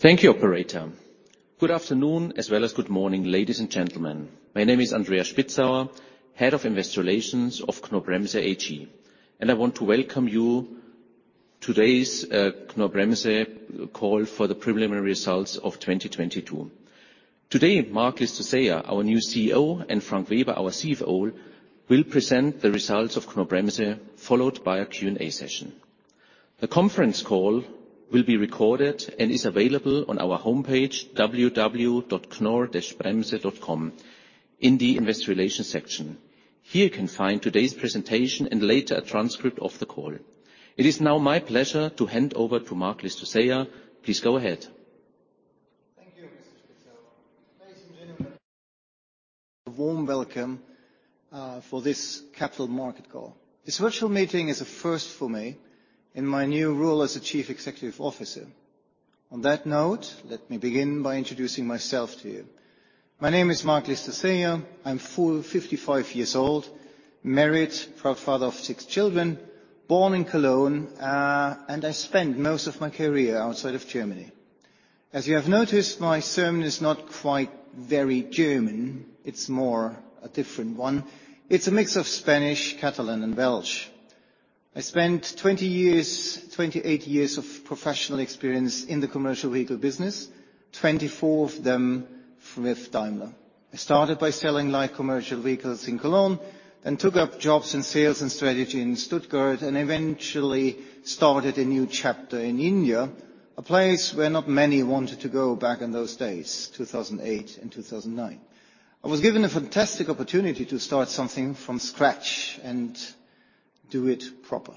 Thank you, Operator. Good afternoon as well as good morning, ladies and gentlemen. My name is Andreas Spitzauer, Head of Investor Relations of Knorr-Bremse AG. I want to welcome you to today's Knorr-Bremse Call for the Preliminary Results of 2022. Today Marc Llistosella, our new CEO, and Frank Weber, our CFO, will present the results of Knorr-Bremse, followed by a Q&A session. The conference call will be recorded and is available on our homepage www.knorr-bremse.com in the Investor Relations section. Here you can find today's presentation and later a transcript of the call. It is now my pleasure to hand over to Marc Llistosella. Please go ahead. Thank you, Mr. Spitzauer. Ladies and gentlemen. A warm welcome for this Capital Market Call. This virtual meeting is a first for me in my new role as a Chief Executive Officer. Let me begin by introducing myself to you. My name is Marc Llistosella. I'm 55 years old, married, proud father of six children, born in Cologne, and I spent most of my career outside of Germany. As you have noticed, my sermon is not quite very German, it's more a different one. It's a mix of Spanish, Catalan, and Welsh. I spent 28 years of professional experience in the commercial vehicle business, 24 of them with Daimler. I started by selling light commercial vehicles in Cologne, then took up jobs in sales and strategy in Stuttgart, and eventually started a new chapter in India, a place where not many wanted to go back in those days, 2008 and 2009. I was given a fantastic opportunity to start something from scratch and do it proper.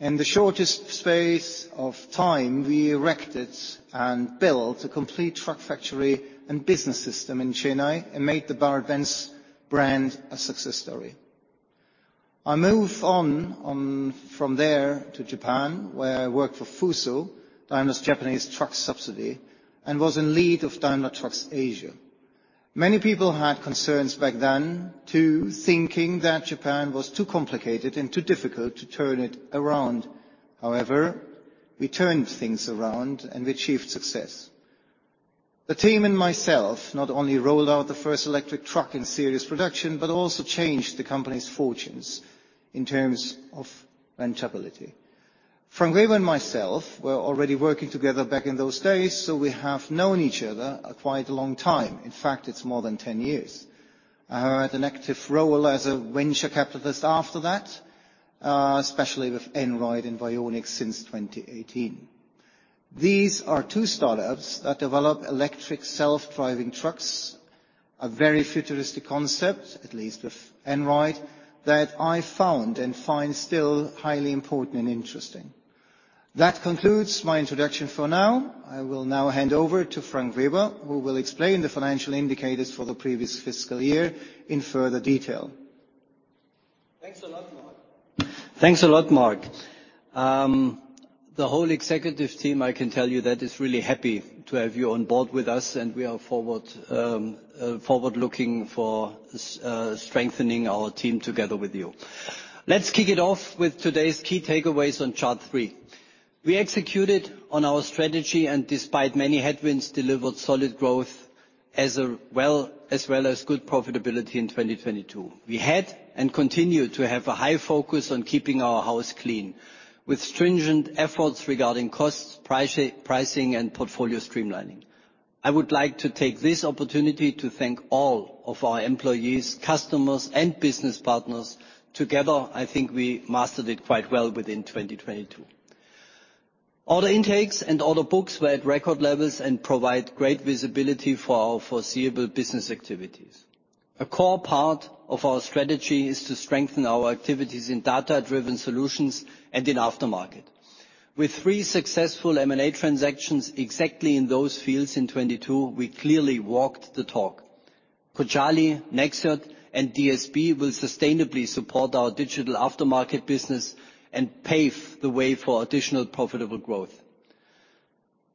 In the shortest space of time, we erected and built a complete Truck factory and business system in Chennai and made the Mercedes-Benz brand a success story. I moved on from there to Japan, where I worked for Fuso, Daimler's Japanese Truck subsidiary, and was in lead of Daimler Trucks Asia. Many people had concerns back then, too, thinking that Japan was too complicated and too difficult to turn it around. However, we turned things around, and we achieved success. The team and myself not only rolled out the first electric Truck in serious production but also changed the company's fortunes in terms of rentability. Frank Weber and myself were already working together back in those days, so we have known each other quite a long time. In fact, it's more than 10 years. I had an active role as a venture capitalist after that, especially with Einride and Vaionic since 2018. These are two startups that develop electric self-driving Trucks, a very futuristic concept, at least with Einride, that I found and find still highly important and interesting. That concludes my introduction for now. I will now hand over to Frank Weber, who will explain the financial indicators for the previous fiscal year in further detail. Thanks a lot, Marc. The whole executive team, I can tell you, that is really happy to have you on board with us, and we are forward-looking for strengthening our team together with you. Let's kick it off with today's key takeaways on chart three. We executed on our strategy and despite many headwinds, delivered solid growth as well as good profitability in 2022. We had and continue to have a high focus on keeping our house clean, with stringent efforts regarding costs, pricing, and portfolio streamlining. I would like to take this opportunity to thank all of our employees, customers, and business partners. Together, I think we mastered it quite well within 2022. Order intakes and order books were at record levels and provide great visibility for our foreseeable business activities. A core part of our strategy is to strengthen our activities in data-driven solutions and in aftermarket. With three successful M&A transactions exactly in those fields in 2022, we clearly walked the talk. Cojali, Nexxiot, and DSB will sustainably support our digital aftermarket business and pave the way for additional profitable growth.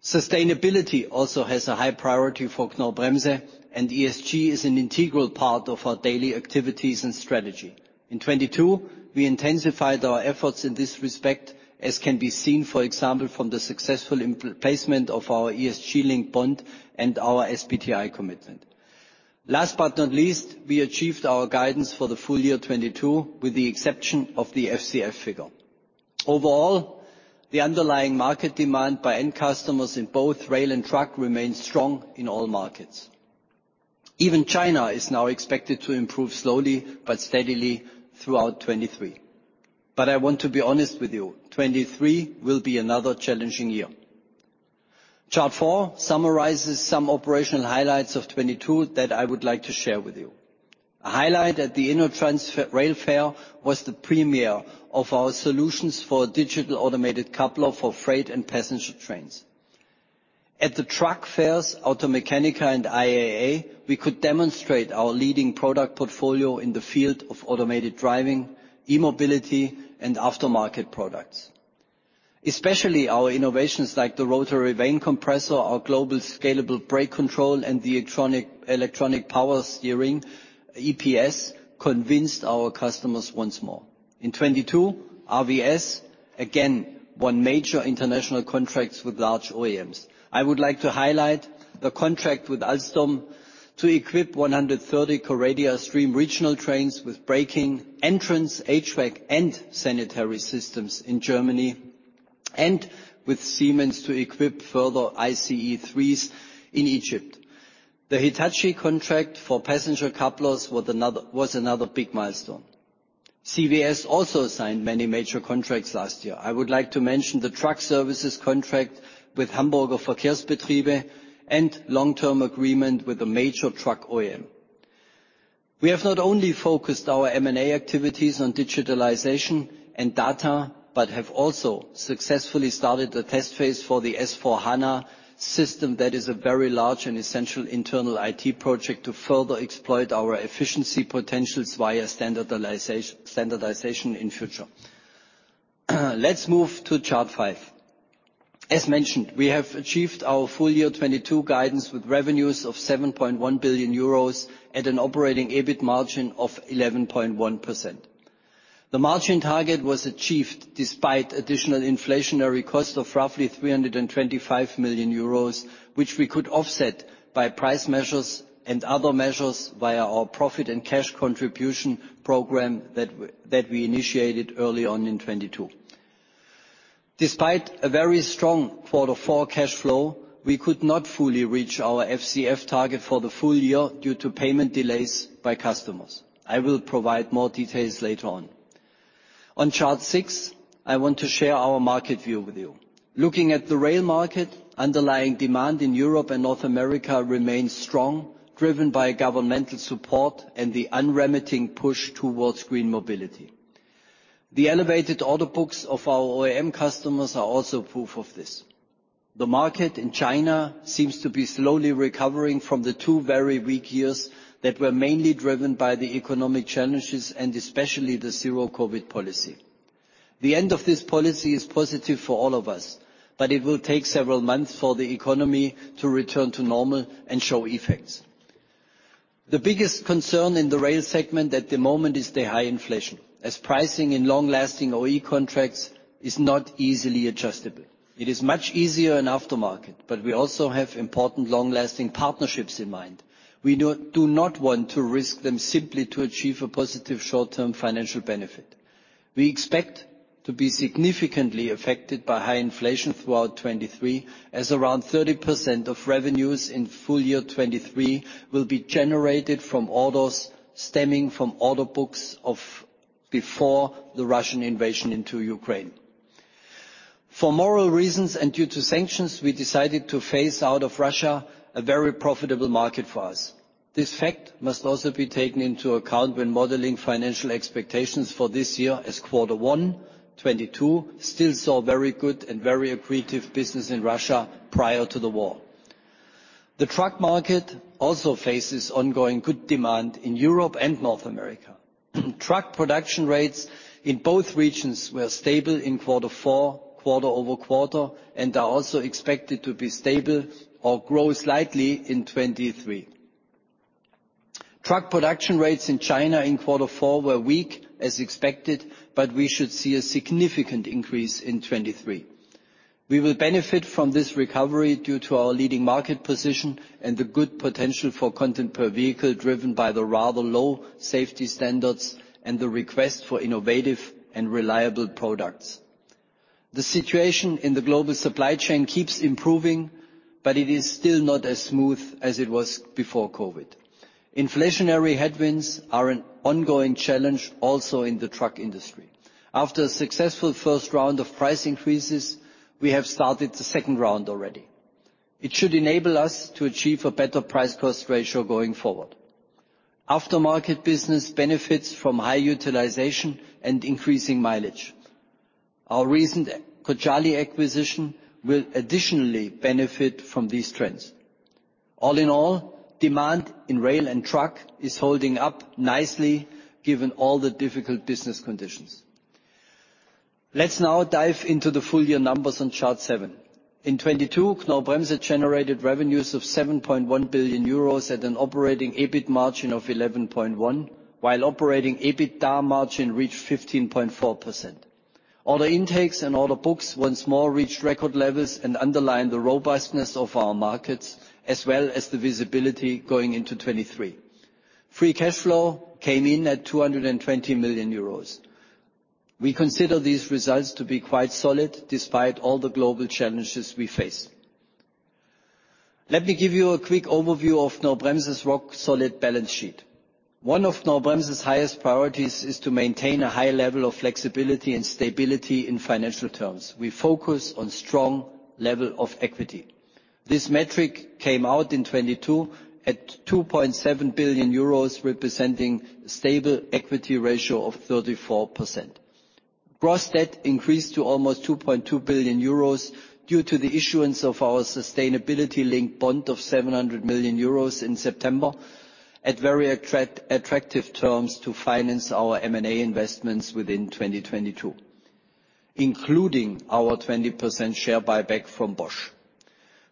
Sustainability also has a high priority for Knorr-Bremse. ESG is an integral part of our daily activities and strategy. In 2022, we intensified our efforts in this respect, as can be seen, for example, from the successful replacement of our ESG-linked bond and our SBTi commitment. Last but not least, we achieved our guidance for the full-year 2022, with the exception of the FCF figure. Overall, the underlying market demand by end customers in both Rail and Truck remains strong in all markets. Even China is now expected to improve slowly but steadily throughout 2023. I want to be honest with you: 2023 will be another challenging year. Chart four summarizes some operational highlights of 2022 that I would like to share with you. A highlight at the InnoTrans Rail fair was the premiere of our solutions for a Digital Automatic Coupler for freight and passenger trains. At the Truck fairs, Automechanika and IAA, we could demonstrate our leading product portfolio in the field of automated driving, e-mobility, and aftermarket products. Especially our innovations like the Rotary Vane Compressor, our Global Scalable Brake Control, and the Electric Power Steering (EPS) convinced our customers once more. In 2022, RVS again won major international contracts with large OEMs. I would like to highlight the contract with Alstom to equip 130 Coradia Stream regional trains with braking, entrance HVAC, and sanitary systems in Germany, and with Siemens to equip further ICE 3s in Egypt. The Hitachi contract for passenger couplers was another big milestone. CVS signed many major contracts last year. I would like to mention the Truck services contract with Hamburger Verkehrsbetriebe and a long-term agreement with a major Truck OEM. We have not only focused our M&A activities on digitalization and data but have also successfully started a test phase for the S/4HANA system that is a very large and essential internal IT project to further exploit our efficiency potentials via standardization in future. Let's move to chart five. As mentioned, we have achieved our full-year 2022 guidance with revenues of 7.1 billion euros at an operating EBIT margin of 11.1%. The margin target was achieved despite additional inflationary cost of roughly 325 million euros, which we could offset by price measures and other measures via our profit and cash contribution program that we initiated early on in 2022. Despite a very strong quarter four cash flow, we could not fully reach our FCF target for the full-year due to payment delays by customers. I will provide more details later on. On chart six, I want to share our market view with you. Looking at the Rail market, underlying demand in Europe and North America remains strong, driven by governmental support and the unremitting push towards green mobility. The elevated order books of our OEM customers are also proof of this. The market in China seems to be slowly recovering from the two very weak years that were mainly driven by the economic challenges and especially the zero-COVID policy. The end of this policy is positive for all of us, but it will take several months for the economy to return to normal and show effects. The biggest concern in the Rail segment at the moment is the high inflation, as pricing in long-lasting OE contracts is not easily adjustable. It is much easier in aftermarket, but we also have important long-lasting partnerships in mind. We do not want to risk them simply to achieve a positive short-term financial benefit. We expect to be significantly affected by high inflation throughout 2023, as around 30% of revenues in full-year 2023 will be generated from orders stemming from order books of before the Russian invasion into Ukraine. For moral reasons and due to sanctions, we decided to phase out of Russia a very profitable market for us. This fact must also be taken into account when modeling financial expectations for this year, as quarter one, 2022, still saw very good and very accretive business in Russia prior to the war. The Truck market also faces ongoing good demand in Europe and North America. Truck production rates in both regions were stable in quarter four, quarter-over-quarter, and are also expected to be stable or grow slightly in 2023. Truck production rates in China in quarter four were weak, as expected, but we should see a significant increase in 2023. We will benefit from this recovery due to our leading market position and the good potential for content per vehicle driven by the rather low safety standards and the request for innovative and reliable products. The situation in the global supply chain keeps improving, but it is still not as smooth as it was before COVID. Inflationary headwinds are an ongoing challenge also in the Truck industry. After a successful first round of price increases, we have started the second round already. It should enable us to achieve a better price-cost ratio going forward. Aftermarket business benefits from high utilization and increasing mileage. Our recent Cojali acquisition will additionally benefit from these trends. All in all, demand in Rail and Truck is holding up nicely given all the difficult business conditions. Let's now dive into the full-year numbers on chart seven. In 2022, Knorr-Bremse generated revenues of 7.1 billion euros at an operating EBIT margin of 11.1%, while operating EBITDA margin reached 15.4%. Order intakes and order books once more reached record levels and underlined the robustness of our markets as well as the visibility going into 2023. Free cash flow came in at 220 million euros. We consider these results to be quite solid despite all the global challenges we face. Let me give you a quick overview of Knorr-Bremse's rock-solid balance sheet. One of Knorr-Bremse's highest priorities is to maintain a high level of flexibility and stability in financial terms. We focus on strong levels of equity. This metric came out in 2022 at 2.7 billion euros, representing a stable equity ratio of 34%. Gross debt increased to almost 2.2 billion euros due to the issuance of our sustainability-linked bond of 700 million euros in September at very attractive terms to finance our M&A investments within 2022, including our 20% share buyback from Bosch.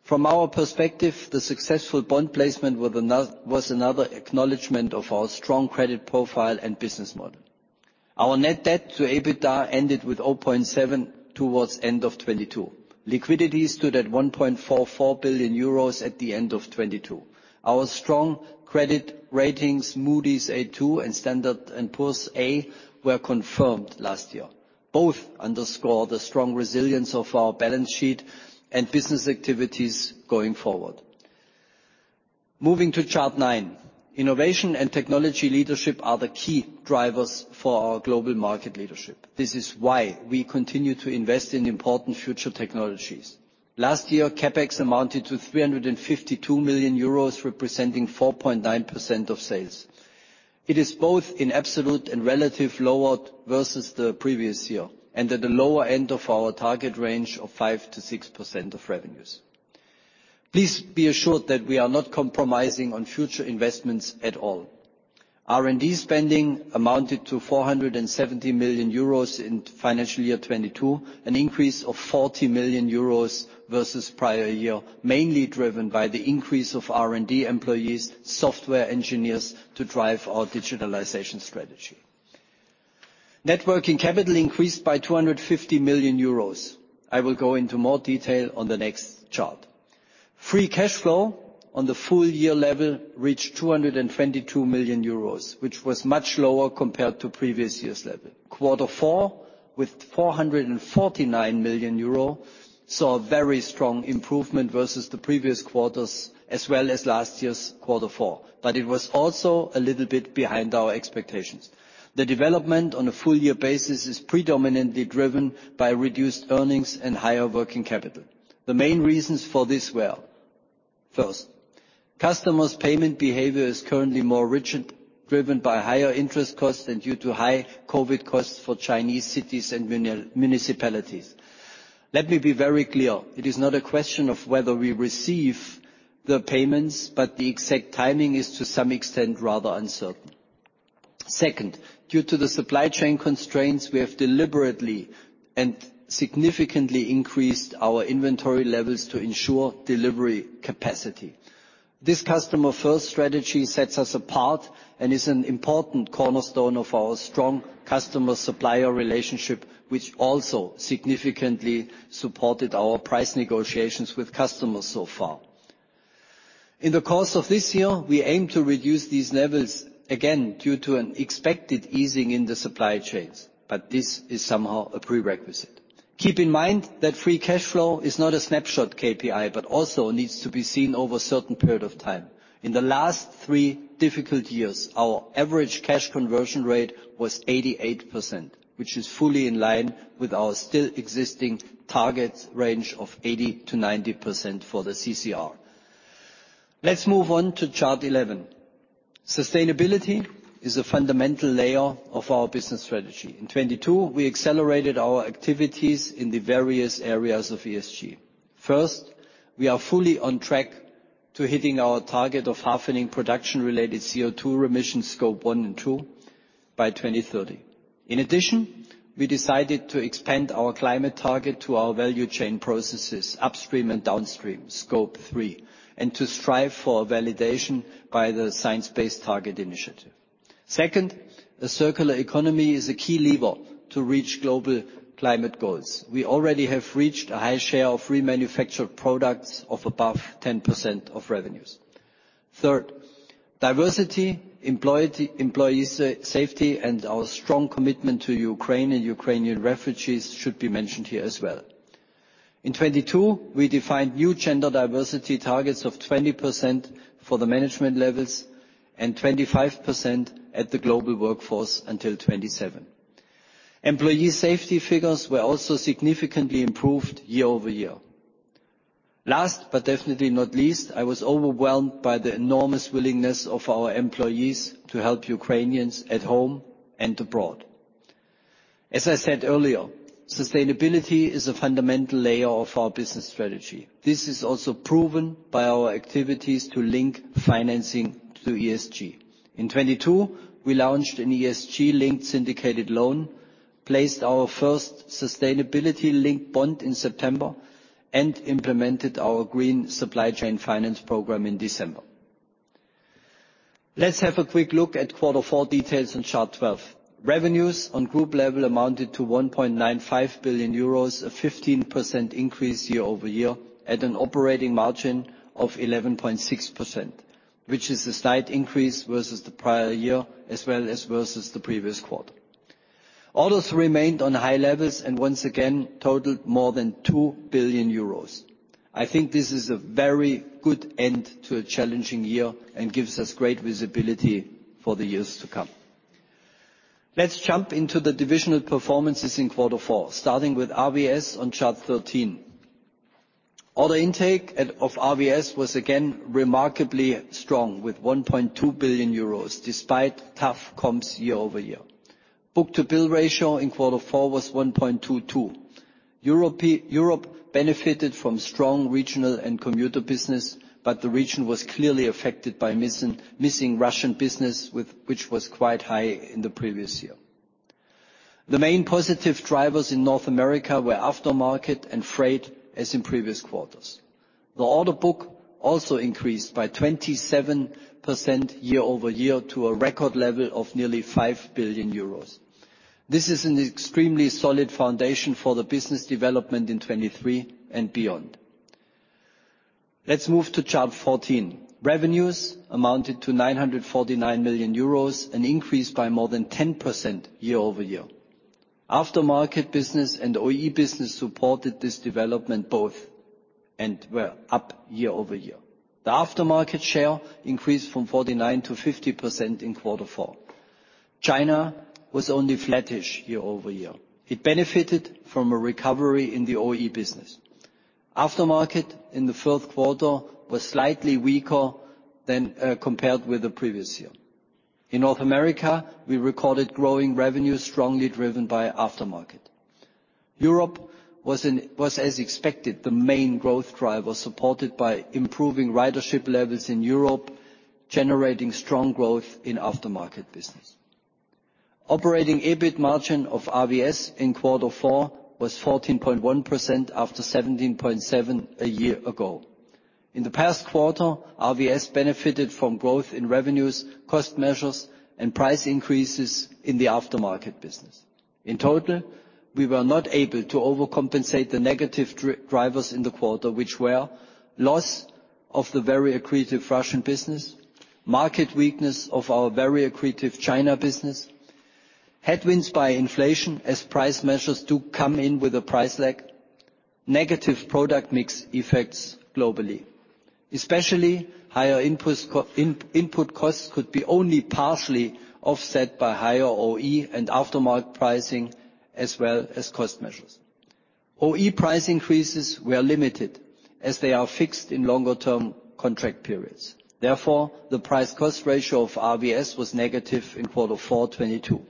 From our perspective, the successful bond placement was another acknowledgment of our strong credit profile and business model. Our net debt to EBITDA ended with 0.7% towards the end of 2022. Liquidity stood at 1.44 billion euros at the end of 2022. Our strong credit ratings, Moody's A2, and Standard & Poor's A, were confirmed last year. Both underscore the strong resilience of our balance sheet and business activities going forward. Moving to chart nine. Innovation and technology leadership are the key drivers for our global market leadership. This is why we continue to invest in important future technologies. Last year, CapEx amounted to 352 million euros, representing 4.9% of sales. It is both in absolute and relative lower versus the previous year and at the lower end of our target range of 5%-6% of revenues. Please be assured that we are not compromising on future investments at all. R&D spending amounted to 470 million euros in financial year 2022, an increase of 40 million euros versus prior year, mainly driven by the increase of R&D employees, software engineers, to drive our digitalization strategy. Networking capital increased by 250 million euros. I will go into more detail on the next chart. Free cash flow on the full-year level reached 222 million euros, which was much lower compared to previous year's level. Quarter four, with 449 million euro, saw a very strong improvement versus the previous quarters as well as last year's quarter four, but it was also a little bit behind our expectations. The development on a full-year basis is predominantly driven by reduced earnings and higher working capital. The main reasons for this were: First, customers' payment behavior is currently more rigid, driven by higher interest costs and due to high COVID costs for Chinese cities and municipalities. Let me be very clear: It is not a question of whether we receive the payments, but the exact timing is to some extent rather uncertain. Second, due to the supply chain constraints, we have deliberately and significantly increased our inventory levels to ensure delivery capacity. This customer-first strategy sets us apart and is an important cornerstone of our strong customer-supplier relationship, which also significantly supported our price negotiations with customers so far. In the course of this year, we aim to reduce these levels again due to an expected easing in the supply chains, this is somehow a prerequisite. Keep in mind that free cash flow is not a snapshot KPI but also needs to be seen over a certain period of time. In the last three difficult years, our average cash conversion rate was 88%, which is fully in line with our still-existing target range of 80%-90% for the CCR. Let's move on to chart 11. Sustainability is a fundamental layer of our business strategy. In 2022, we accelerated our activities in the various areas of ESG. First, we are fully on track to hitting our target of halving production-related CO2 emissions Scope 1 and 2 by 2030. We decided to expand our climate target to our value chain processes, upstream and downstream, Scope 3, and to strive for validation by the Science Based Targets initiative. Second, a circular economy is a key lever to reach global climate goals. We already have reached a high share of free manufactured products of above 10% of revenues. Third, diversity, employee safety, and our strong commitment to Ukraine and Ukrainian refugees should be mentioned here as well. In 2022, we defined new gender diversity targets of 20% for the management levels and 25% at the global workforce until 2027. Employee safety figures were also significantly improved year-over-year. Last but definitely not least, I was overwhelmed by the enormous willingness of our employees to help Ukrainians at home and abroad. As I said earlier, sustainability is a fundamental layer of our business strategy. This is also proven by our activities to link financing to ESG. In 2022, we launched an ESG-linked syndicated loan, placed our first sustainability-linked bond in September, and implemented our green supply chain finance program in December. Let's have a quick look at quarter four details on chart 12. Revenues on group level amounted to 1.95 billion euros, a 15% increase year-over-year, at an operating margin of 11.6%, which is a slight increase versus the prior year as well as versus the previous quarter. Orders remained on high levels and once again totaled more than 2 billion euros. I think this is a very good end to a challenging year and gives us great visibility for the years to come. Let's jump into the divisional performances in quarter four, starting with RVS on chart 13. Order intake of RVS was again remarkably strong with 1.2 billion euros despite tough comms year-over-year. book-to-bill ratio in quarter four was 1.22. Europe benefited from strong regional and commuter business, but the region was clearly affected by missing Russian business, which was quite high in the previous year. The main positive drivers in North America were aftermarket and freight, as in previous quarters. The order book also increased by 27% year-over-year to a record level of nearly 5 billion euros. This is an extremely solid foundation for the business development in 2023 and beyond. Let's move to chart 14. Revenues amounted to 949 million euros, an increase by more than 10% year-over-year. Aftermarket business and OE business supported this development both and were up year-over-year. The aftermarket share increased from 49% to 50% in quarter four. China was only flattish year-over-year. It benefited from a recovery in the OE business. Aftermarket in the fourth quarter was slightly weaker than compared with the previous year. In North America, we recorded growing revenues strongly driven by aftermarket. Europe was, as expected, the main growth driver, supported by improving ridership levels in Europe, generating strong growth in aftermarket business. Operating EBIT margin of RVS in quarter four was 14.1% after 17.7% a year ago. In the past quarter, RVS benefited from growth in revenues, cost measures, and price increases in the aftermarket business. In total, we were not able to overcompensate the negative drivers in the quarter, which were: loss of the very accretive Russian business, market weakness of our very accretive China business, headwinds by inflation, as price measures do come in with a price lag, negative product mix effects globally. Especially, higher input costs could be only partially offset by higher OE and aftermarket pricing as well as cost measures. OE price increases were limited, as they are fixed in longer-term contract periods. Therefore, the price-cost ratio of RVS was negative in quarter four 2022.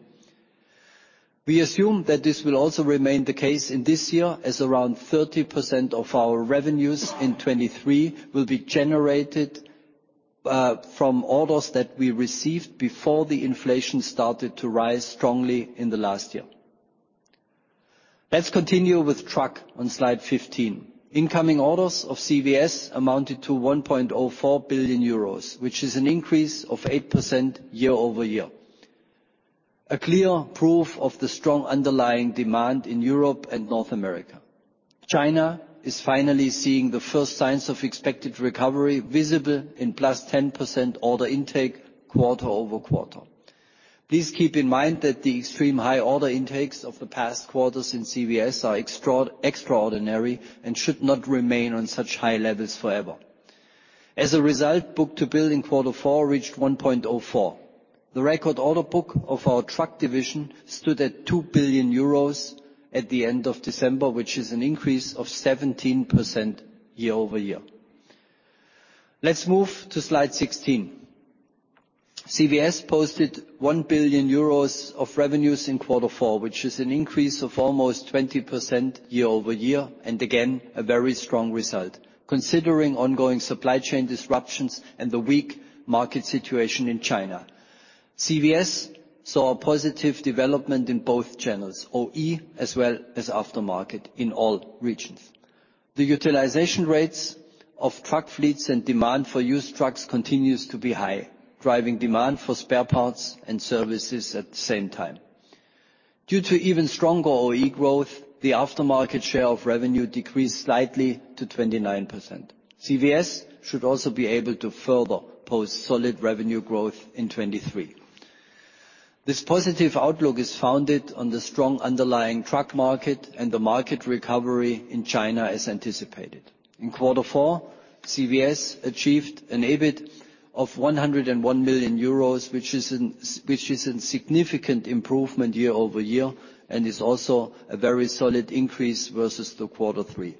We assume that this will also remain the case in this year, as around 30% of our revenues in 2023 will be generated from orders that we received before the inflation started to rise strongly in the last year. Let's continue with Truck on slide 15. Incoming orders of CVS amounted to 1.04 billion euros, which is an increase of 8% year-over-year. A clear proof of the strong underlying demand in Europe and North America. China is finally seeing the first signs of expected recovery visible in +10% order intake quarter-over-quarter. Please keep in mind that the extreme high order intakes of the past quarters in CVS are extraordinary and should not remain on such high levels forever. As a result, book-to-bill in quarter four reached 1.04%. The record order book of our Truck division stood at 2 billion euros at the end of December, which is an increase of 17% year-over-year. Let's move to slide 16. CVS posted 1 billion euros of revenues in quarter four, which is an increase of almost 20% year-over-year and again a very strong result, considering ongoing supply chain disruptions and the weak market situation in China. CVS saw a positive development in both channels, OE as well as aftermarket, in all regions. The utilization rates of Truck fleets and demand for used Trucks continues to be high, driving demand for spare parts and services at the same time. Due to even stronger OE growth, the aftermarket share of revenue decreased slightly to 29%. CVS should also be able to further post solid revenue growth in 2023. This positive outlook is founded on the strong underlying Truck market and the market recovery in China as anticipated. In quarter four, CVS achieved an EBIT of 101 million euros, which is a significant improvement year-over-year and is also a very solid increase versus the quarter three.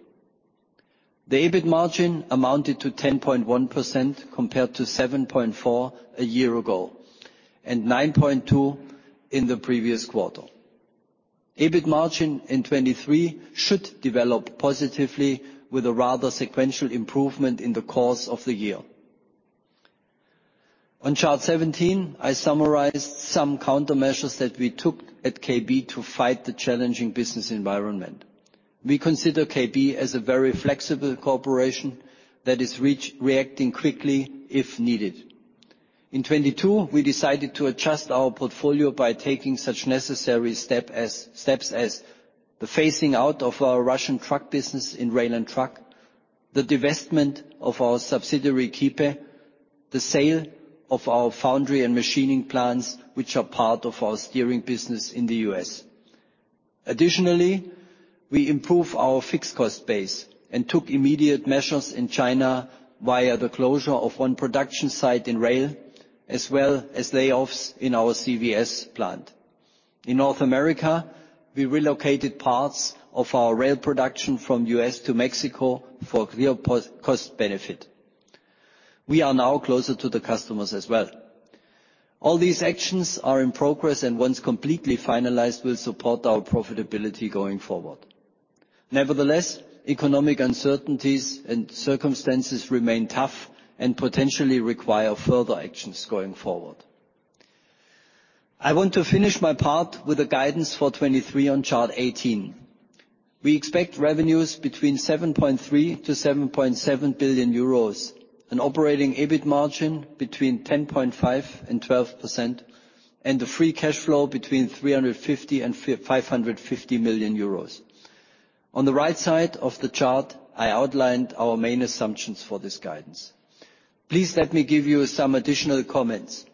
The EBIT margin amounted to 10.1% compared to 7.4% a year ago and 9.2% in the previous quarter. EBIT margin in 2023 should develop positively with a rather sequential improvement in the course of the year. On chart 17, I summarized some countermeasures that we took at KB to fight the challenging business environment. We consider KB as a very flexible corporation that is reacting quickly if needed. In 2022, we decided to adjust our portfolio by taking such necessary steps as: the phasing out of our Russian Truck business in Rail and Truck, the divestment of our subsidiary Kiepe Electric, the sale of our foundry and machining plants, which are part of our steering business in the U.S. Additionally, we improved our fixed cost base and took immediate measures in China via the closure of one production site in Rail as well as layoffs in our CVS plant. In North America, we relocated parts of our Rail production from the U.S. to Mexico for clear cost benefit. We are now closer to the customers as well. All these actions are in progress, and once completely finalized, will support our profitability going forward. Nevertheless, economic uncertainties and circumstances remain tough and potentially require further actions going forward. I want to finish my part with the guidance for 2023 on chart 18. We expect revenues between 7.3 billion-7.7 billion euros, an operating EBIT margin between 10.5% and 12%, and a free cash flow between 350 million and 550 million euros. On the right side of the chart, I outlined our main assumptions for this guidance. Please let me give you some additional comments.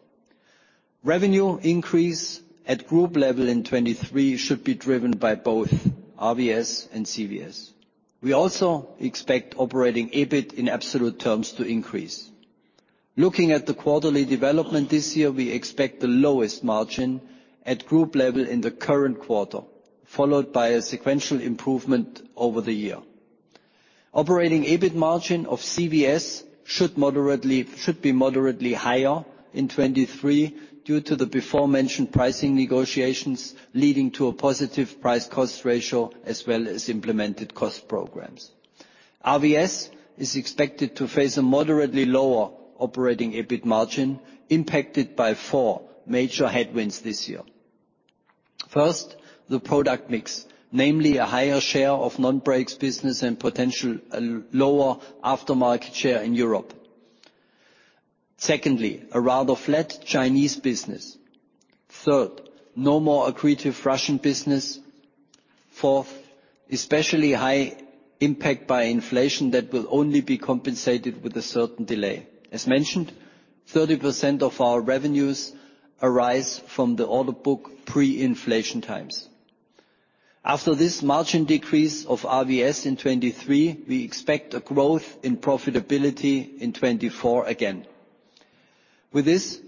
Revenue increase at group level in 2023 should be driven by both RVS and CVS. We also expect operating EBIT in absolute terms to increase. Looking at the quarterly development this year, we expect the lowest margin at group level in the current quarter, followed by a sequential improvement over the year. Operating EBIT margin of CVS should be moderately higher in 2023 due to the before-mentioned pricing negotiations leading to a positive price-cost ratio as well as implemented cost programs. RVS is expected to face a moderately lower operating EBIT margin impacted by four major headwinds this year. First, the product mix, namely a higher share of non-brakes business and potentially a lower aftermarket share in Europe. Secondly, a rather flat Chinese business. Third, no more accretive Russian business. Fourth, especially high impact by inflation that will only be compensated with a certain delay. As mentioned, 30% of our revenues arise from the order book pre-inflation times. After this margin decrease of RVS in 2023, we expect a growth in profitability in 2024 again. With this,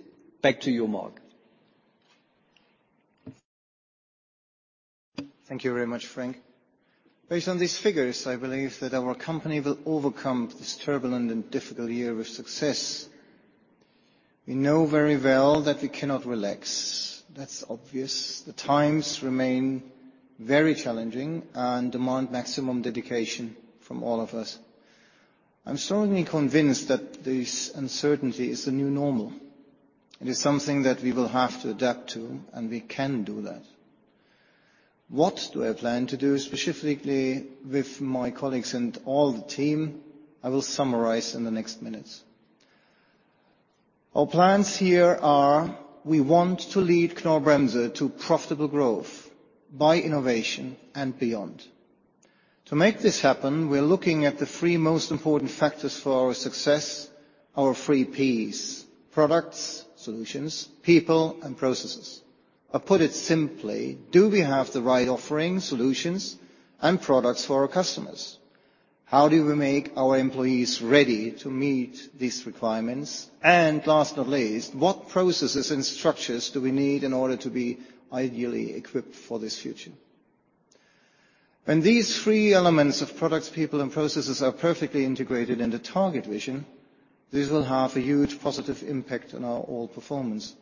back to you, Marc. Thank you very much, Frank. Based on these figures, I believe that our company will overcome this turbulent and difficult year with success. We know very well that we cannot relax. That's obvious. The times remain very challenging and demand maximum dedication from all of us. I'm strongly convinced that this uncertainty is the new normal. It is something that we will have to adapt to, and we can do that. What do I plan to do specifically with my colleagues and all the team? I will summarize in the next minutes. Our plans here are: we want to lead Knorr-Bremse to profitable growth by innovation and beyond. To make this happen, we're looking at the three most important factors for our success: our three Ps, products, solutions, people, and processes. Put it simply, do we have the right offerings, solutions, and products for our customers? How do we make our employees ready to meet these requirements? Last but not least, what processes and structures do we need in order to be ideally equipped for this future? When these three elements of products, people, and processes are perfectly integrated in the target vision, this will have a huge positive impact on our overall performance.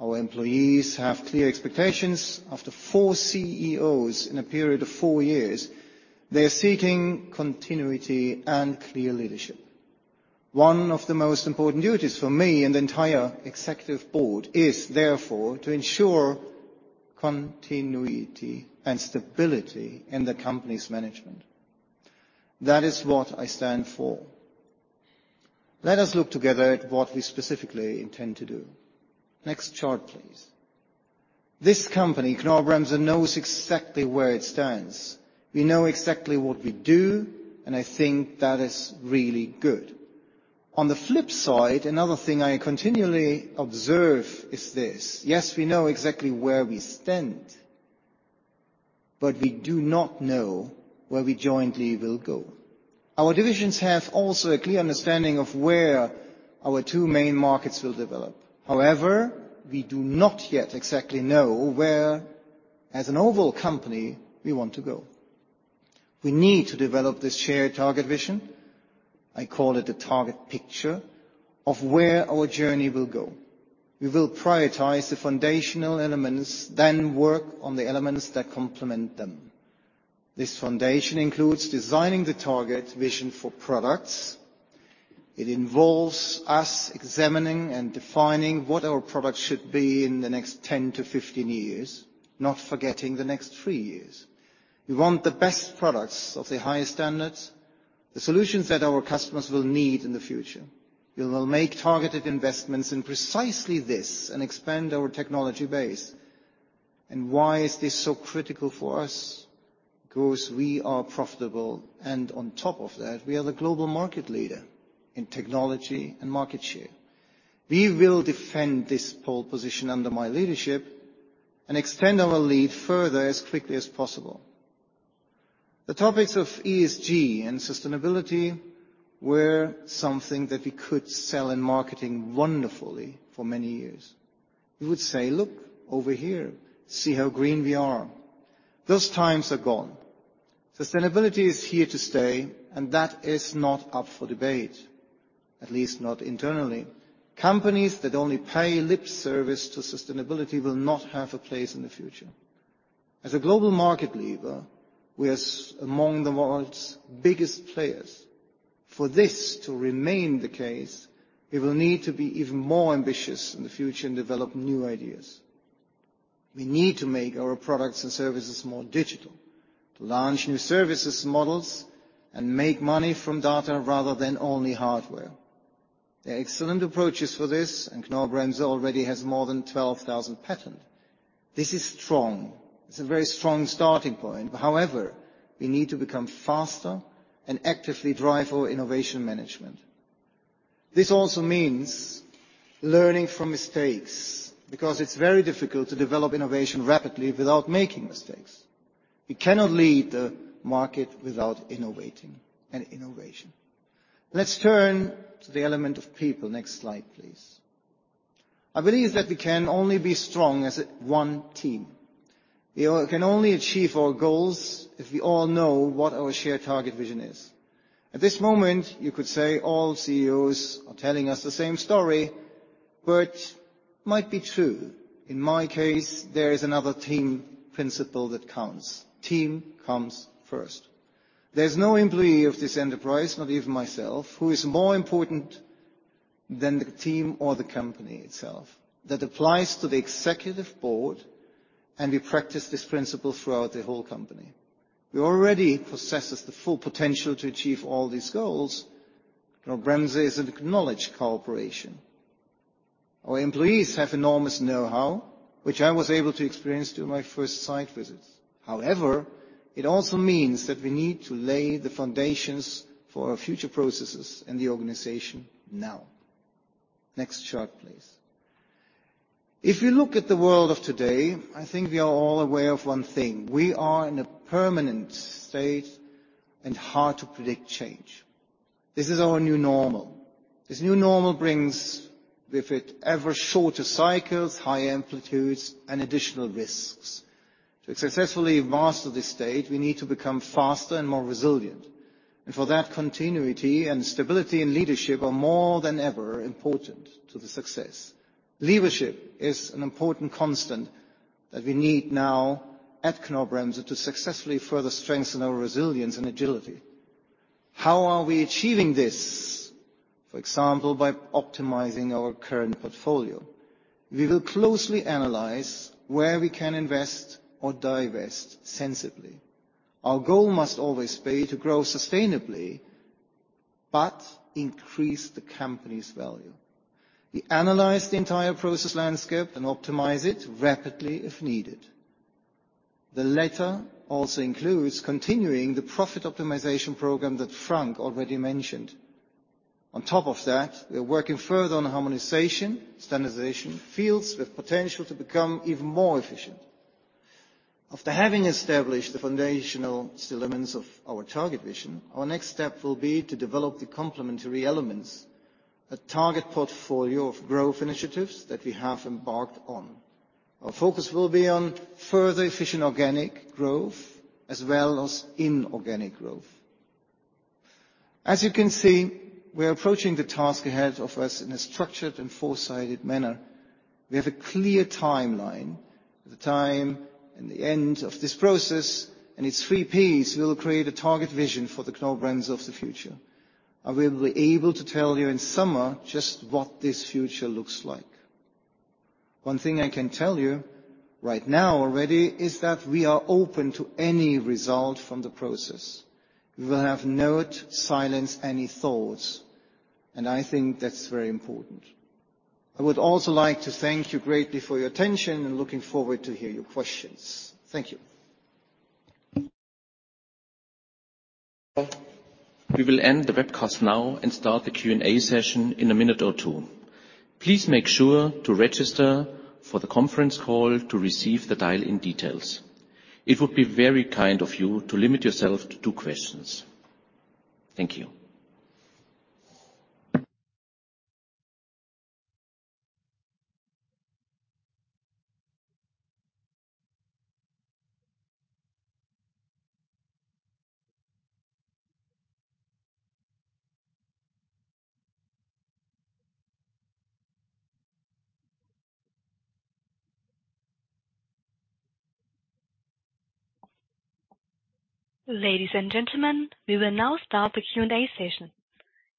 Our employees have clear expectations. After four CEOs in a period of four years, they are seeking continuity and clear leadership. One of the most important duties for me and the entire executive board is, therefore, to ensure continuity and stability in the company's management. That is what I stand for. Let us look together at what we specifically intend to do. Next chart, please. This company, Knorr-Bremse, knows exactly where it stands. We know exactly what we do, and I think that is really good. On the flip side, another thing I continually observe is this: yes, we know exactly where we stand, but we do not know where we jointly will go. Our divisions have also a clear understanding of where our two main markets will develop. However, we do not yet exactly know where, as an oval company, we want to go. We need to develop this shared target vision. I call it the target picture of where our journey will go. We will prioritize the foundational elements, then work on the elements that complement them. This foundation includes designing the target vision for products. It involves us examining and defining what our products should be in the next 10–15 years, not forgetting the next three years. We want the best products of the highest standards, the solutions that our customers will need in the future. We will make targeted investments in precisely this and expand our technology base. Why is this so critical for us? Because we are profitable, and on top of that, we are the global market leader in technology and market share. We will defend this pole position under my leadership and extend our lead further as quickly as possible. The topics of ESG and sustainability were something that we could sell in marketing wonderfully for many years. We would say, "Look over here. See how green we are." Those times are gone. Sustainability is here to stay, and that is not up for debate, at least not internally. Companies that only pay lip service to sustainability will not have a place in the future. As a global market leader, we are among the world's biggest players. For this to remain the case, we will need to be even more ambitious in the future and develop new ideas. We need to make our products and services more digital, to launch new services models and make money from data rather than only hardware. There are excellent approaches for this, and Knorr-Bremse already has more than 12,000 patents. This is strong. It's a very strong starting point. However, we need to become faster and actively drive for innovation management. This also means learning from mistakes because it's very difficult to develop innovation rapidly without making mistakes. We cannot lead the market without innovating and innovation. Let's turn to the element of people. Next slide, please. I believe that we can only be strong as one team. We can only achieve our goals if we all know what our shared target vision is. At this moment, you could say all CEOs are telling us the same story, but it might be true. In my case, there is another team principle that counts. Team comes first. There's no employee of this enterprise, not even myself, who is more important than the team or the company itself. That applies to the executive board, and we practice this principle throughout the whole company. We already possess the full potential to achieve all these goals. Knorr-Bremse is an acknowledged corporation. Our employees have enormous know-how, which I was able to experience during my first site visits. However, it also means that we need to lay the foundations for our future processes and the organization now. Next chart, please. If we look at the world of today, I think we are all aware of one thing. We are in a permanent state and hard-to-predict change. This is our new normal. This new normal brings with it ever shorter cycles, higher amplitudes, and additional risks. To successfully master this state, we need to become faster and more resilient. For that, continuity and stability in leadership are more than ever important to the success. Leadership is an important constant that we need now at Knorr-Bremse to successfully further strengthen our resilience and agility. How are we achieving this? For example, by optimizing our current portfolio. We will closely analyze where we can invest or divest sensibly. Our goal must always be to grow sustainably but increase the company's value. We analyze the entire process landscape and optimize it rapidly if needed. The letter also includes continuing the profit optimization program that Frank already mentioned. On top of that, we are working further on harmonization, standardization fields with potential to become even more efficient. After having established the foundational elements of our target vision, our next step will be to develop the complementary elements, a target portfolio of growth initiatives that we have embarked on. Our focus will be on further efficient organic growth as well as inorganic growth. As you can see, we are approaching the task ahead of us in a structured and foresighted manner. We have a clear timeline. The time and the end of this process and its three Ps will create a target vision for the Knorr-Bremse of the future. I will be able to tell you in summer just what this future looks like. One thing I can tell you right now already is that we are open to any result from the process. We will have no silence, any thoughts. I think that's very important. I would also like to thank you greatly for your attention and looking forward to hearing your questions. Thank you. We will end the webcast now and start the Q&A session in a minute or two. Please make sure to register for the conference call to receive the dial-in details. It would be very kind of you to limit yourself to two questions. Thank you. Ladies and gentlemen, we will now start the Q&A session.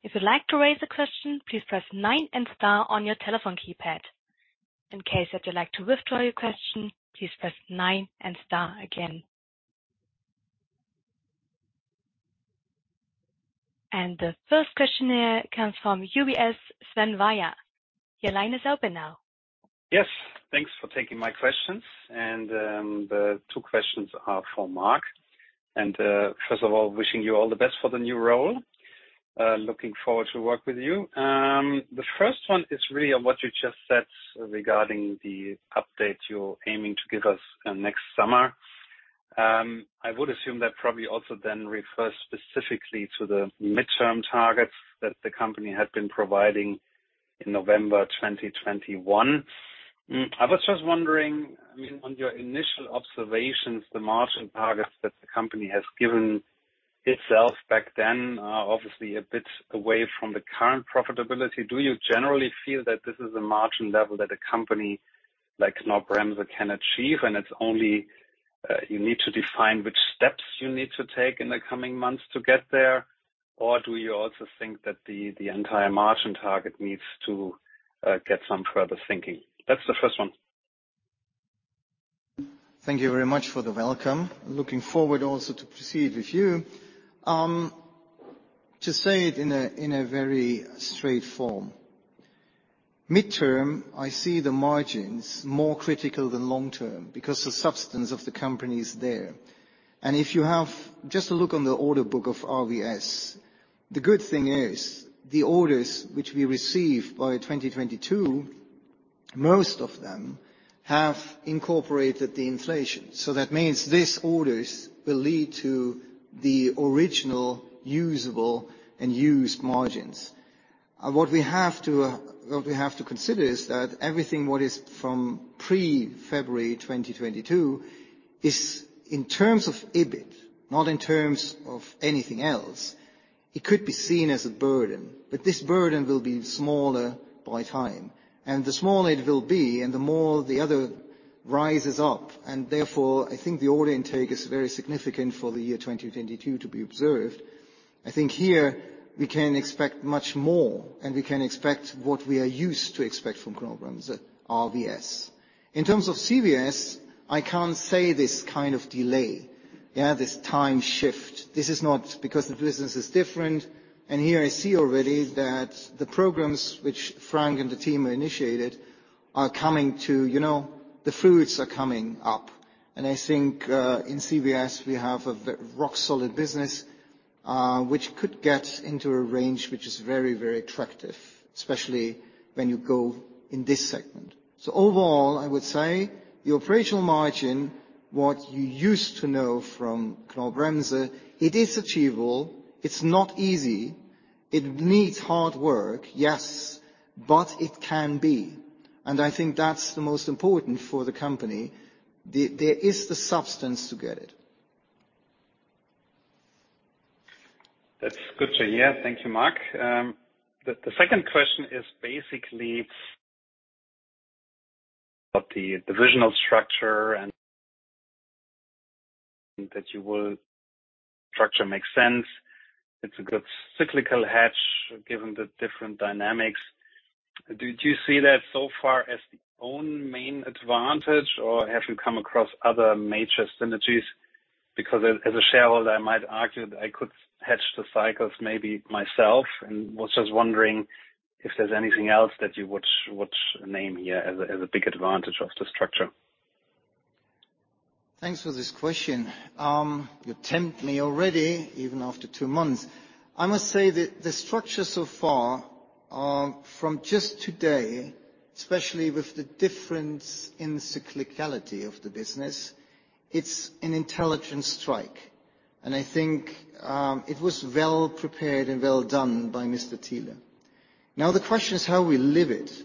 If you'd like to raise a question, please press nine and star on your telephone keypad. In case that you'd like to withdraw your question, please pressnine 9 and star again. The first questionnaire comes from UBS, Sven Weier. Your line is open now. Yes. Thanks for taking my questions. The two questions are for Marc. First of all, wishing you all the best for the new role. Looking forward to work with you. The first one is really on what you just said regarding the update you're aiming to give us next summer. I would assume that probably also then refers specifically to the midterm targets that the company had been providing in November 2021. I was just wondering, I mean, on your initial observations, the margin targets that the company has given itself back then are obviously a bit away from the current profitability. Do you generally feel that this is a margin level that a company like Knorr-Bremse can achieve, you need to define which steps you need to take in the coming months to get there? Do you also think that the entire margin target needs to get some further thinking? That's the first one. Thank you very much for the welcome. Looking forward also to proceed with you, to say it in a very straight form, midterm, I see the margins more critical than long-term because the substance of the company is there. If you have just a look on the order book of RVS, the good thing is the orders which we received by 2022, most of them have incorporated the inflation. That means these orders will lead to the original usable and used margins. What we have to consider is that everything what is from pre-February 2022 is, in terms of EBIT, not in terms of anything else, it could be seen as a burden. This burden will be smaller by time. The smaller it will be, and the more the other rises up. Therefore, I think the order intake is very significant for the year 2022 to be observed. I think here we can expect much more, and we can expect what we are used to expect from Knorr-Bremse, RVS. In terms of CVS, I can't say this kind of delay, this time shift. This is not because the business is different. Here I see already that the programs which Frank and the team have initiated are coming to, you know, the fruits are coming up. I think, in CVS, we have a very rock-solid business, which could get into a range which is very, very attractive, especially when you go in this segment. Overall, I would say the operational margin, what you used to know from Knorr-Bremse, it is achievable. It's not easy. It needs hard work, yes, but it can be. I think that's the most important for the company. There is the substance to get it. That's good to hear. Thank you, Marc. The second question is basically about the divisional structure. Structure makes sense. It's a good cyclical hedge given the different dynamics. Do you see that so far as the own main advantage, or have you come across other major synergies? Because as a shareholder, I might argue that I could hatch the cycles maybe myself, and was just wondering if there's anything else that you would name here as a big advantage of the structure. Thanks for this question. You tempt me already, even after two months. I must say that the structure so far, from just today, especially with the difference in cyclicality of the business, it's an intelligent strike. I think, it was well prepared and well done by Mr. Thiele. Now, the question is how we live it.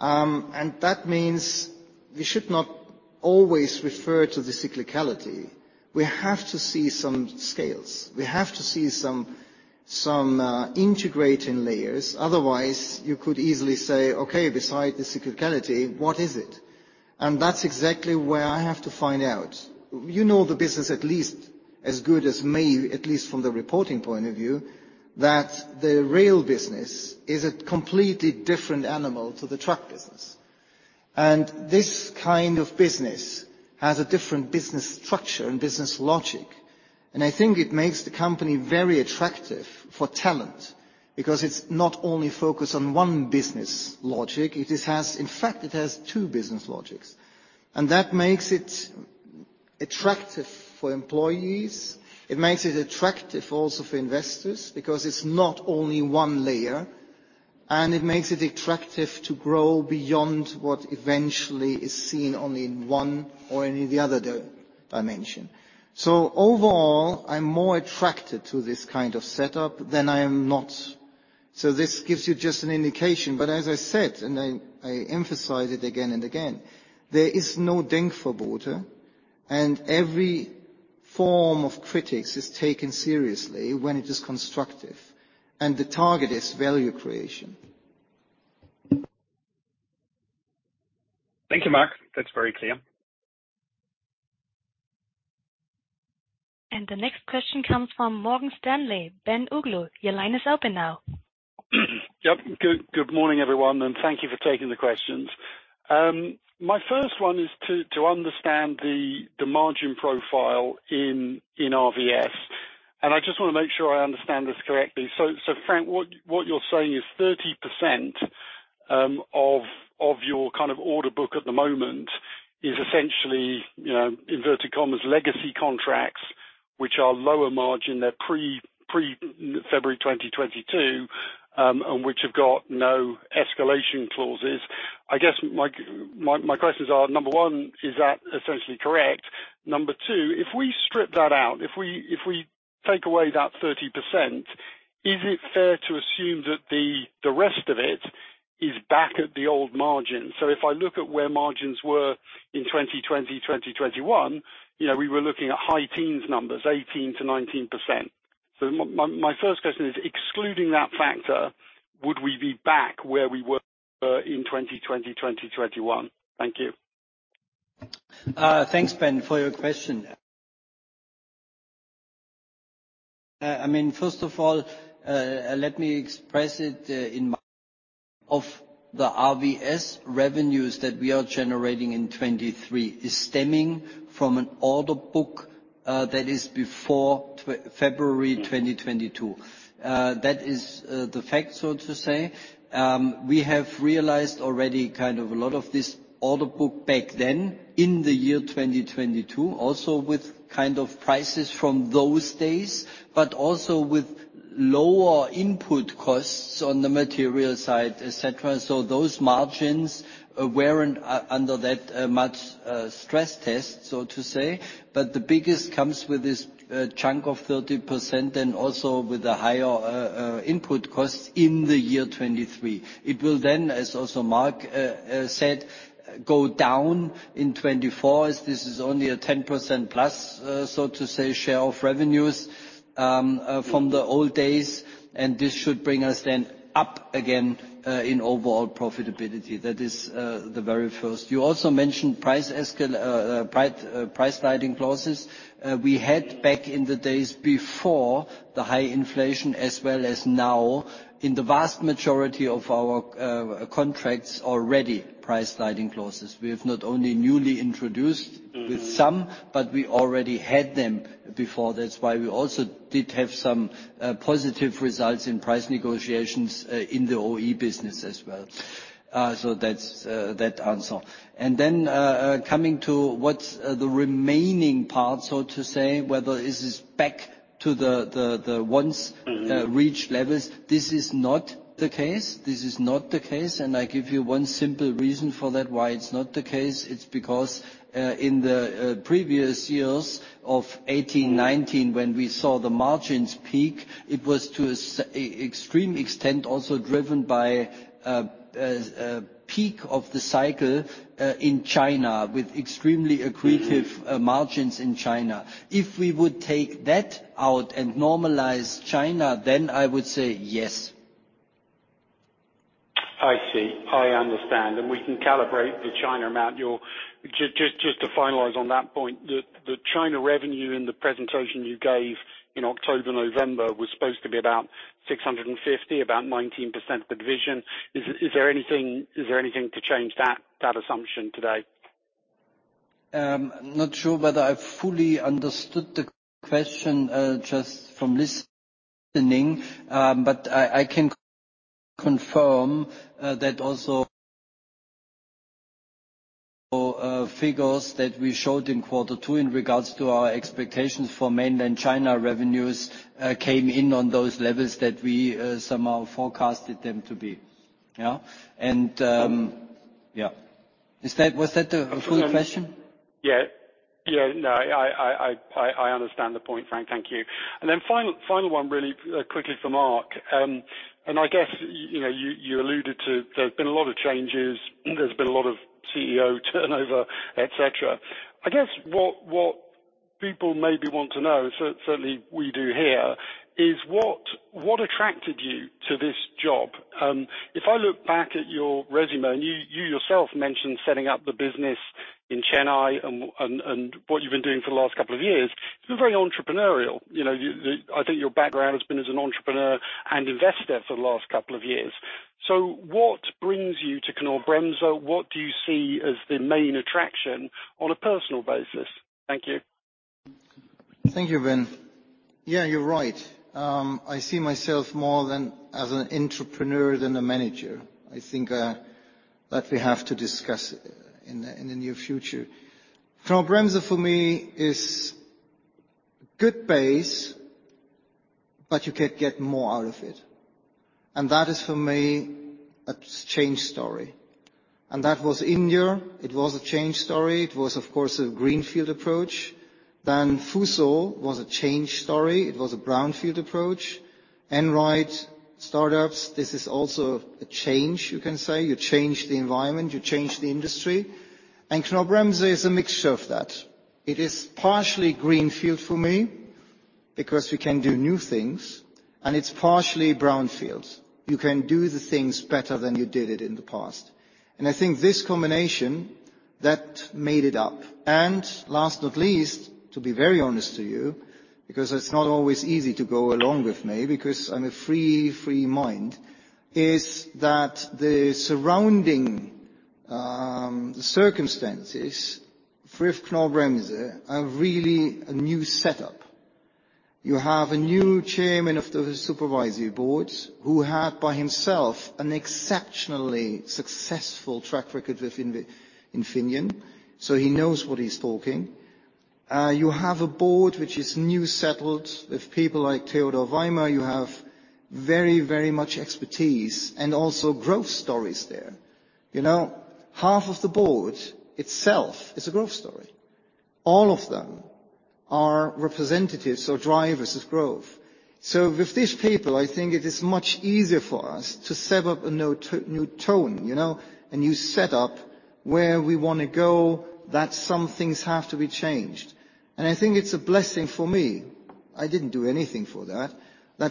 That means we should not always refer to the cyclicality. We have to see some scales. We have to see some integrating layers. Otherwise, you could easily say, "Okay, beside the cyclicality, what is it?" That's exactly where I have to find out. You know the business at least as good as me, at least from the reporting point of view, that the Rail business is a completely different animal to the Truck business. This kind of business has a different business structure and business logic. I think it makes the company very attractive for talent because it's not only focused on one business logic. It has in fact, it has two business logics. That makes it attractive for employees. It makes it attractive also for investors because it's not only one layer. It makes it attractive to grow beyond what eventually is seen only in one or any of the other dimensions. Overall, I'm more attracted to this kind of setup than I am not. This gives you just an indication. As I said, and I emphasize it again and again, there is no Denkverbote. Every form of critics is taken seriously when it is constructive. The target is value creation. Thank you, Marc. That's very clear. The next question comes from Morgan Stanley, Ben Uglow. Your line is open now. Good morning, everyone. Thank you for taking the questions. My first one is to understand the margin profile in RVS. I just want to make sure I understand this correctly. Frank, what you're saying is 30% of your kind of order book at the moment is essentially, you know, inverted commas, legacy contracts, which are lower margin. They're pre-February 2022 and which have got no escalation clauses. I guess my questions are, number one, is that essentially correct? Number two, if we strip that out, if we take away that 30%, is it fair to assume that the rest of it is back at the old margins? If I look at where margins were in 2020, 2021, you know, we were looking at high teens numbers, 18%-19%. My first question is, excluding that factor, would we be back where we were in 2020, 2021? Thank you. Thanks, Ben, for your question. I mean, first of all, let me express it in—of the RVS revenues that we are generating in 2023 is stemming from an order book that is before February 2022. That is the fact, so to say. We have realized already kind of a lot of this order book back then in the year 2022, also with kind of prices from those days, but also with lower input costs on the material side, etc. Those margins weren't under that much stress test, so to say. The biggest comes with this chunk of 30% and also with the higher input costs in the year 2023. It will then, as also Marc said, go down in 2024 as this is only a 10% plus, so to say, share of revenues from the old days. This should bring us then up again in overall profitability. That is the very first. You also mentioned price sliding clauses. We had back in the days before the high inflation as well as now, in the vast majority of our contracts, already price sliding clauses. We have not only newly introduced with some, but we already had them before. That's why we also did have some positive results in price negotiations in the OE business as well. That's that answer. Coming to what's the remaining part, so to say, whether this is back to the once-reached levels, this is not the case. This is not the case. I give you one simple reason for that why it's not the case. It's because in the previous years of 2018, 2019, when we saw the margins peak, it was to an extreme extent also driven by a peak of the cycle in China with extremely accretive margins in China. If we would take that out and normalize China, then I would say yes. I see. I understand. We can calibrate the China amount. Just to finalize on that point, the China revenue in the presentation you gave in October, November was supposed to be about 650 million, about 19% of the division. Is there anything to change that assumption today? Not sure whether I fully understood the question just from listening. I can confirm that also figures that we showed in quarter two in regards to our expectations for mainland China revenues came in on those levels that we somehow forecasted them to be. Yeah? Yeah. Was that the full question? Yeah. Yeah. No. I understand the point, Frank. Thank you. Then final one, really, quickly for Marc. I guess you alluded to there's been a lot of changes. There's been a lot of CEO turnover, etc. I guess what people maybe want to know, certainly we do here, is what attracted you to this job? If I look back at your resume, and you yourself mentioned setting up the business in Chennai and what you've been doing for the last couple of years, you've been very entrepreneurial. I think your background has been as an entrepreneur and investor for the last couple of years. What brings you to Knorr-Bremse? What do you see as the main attraction on a personal basis? Thank you. Thank you, Ben. You're right. I see myself more as an entrepreneur than a manager. I think that we have to discuss in the near future. Knorr-Bremse, for me, is a good base, but you can't get more out of it. That is, for me, a change story. That was India. It was a change story. It was, of course, a greenfield approach. Fuso was a change story. It was a brownfield approach. Einride, startups, this is also a change, you can say. You change the environment. You change the industry. Knorr-Bremse is a mixture of that. It is partially greenfield for me because we can do new things. It's partially brownfield. You can do the things better than you did it in the past. I think this combination, that made it up. Last but not least, to be very honest to you, because it's not always easy to go along with me because I'm a free mind, is that the surrounding circumstances with Knorr-Bremse are really a new setup. You have a new Chairman of the Supervisory Board who had by himself an exceptionally successful track record with Infineon. He knows what he's talking. You have a board which is new-settled with people like Theodor Weimer. You have very much expertise and also growth stories there. Half of the board itself is a growth story. All of them are representatives or drivers of growth. With these people, I think it is much easier for us to set up a new tone, a new setup where we want to go that some things have to be changed. I think it's a blessing for me, I didn't do anything for that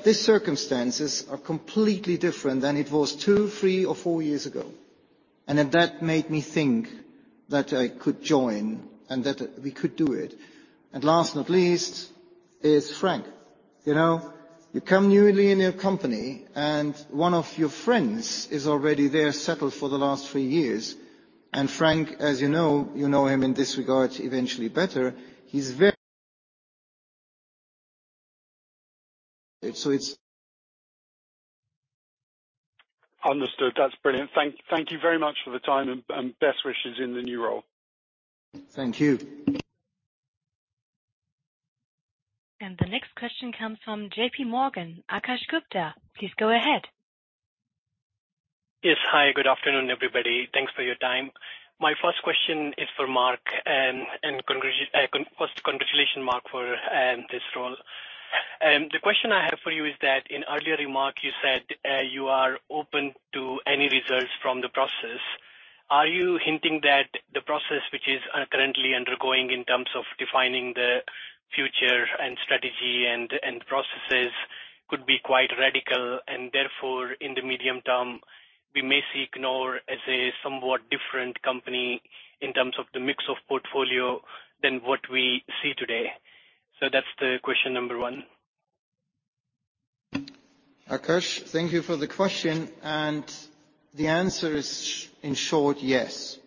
these circumstances are completely different than it was two, three, or four years ago. That made me think that I could join and that we could do it. Last but not least is Frank. You come newly in your company, and one of your friends is already there settled for the last three years. Frank, as you know, you know him in this regard eventually better, he's very understood. That's brilliant. Thank you very much for the time, and best wishes in the new role. Thank you. The next question comes from JPMorgan, Akash Gupta. Please go ahead. Yes. Hi. Good afternoon, everybody. Thanks for your time. My first question is for Marc, and first congratulations, Marc, for this role. The question I have for you is that in earlier remarks, you said you are open to any results from the process. Are you hinting that the process which is currently undergoing in terms of defining the future and strategy and processes could be quite radical, and therefore, in the medium term, we may see Knorr as a somewhat different company in terms of the mix of portfolio than what we see today? That's the question number one. Akash, thank you for the question. The answer is, in short, yes.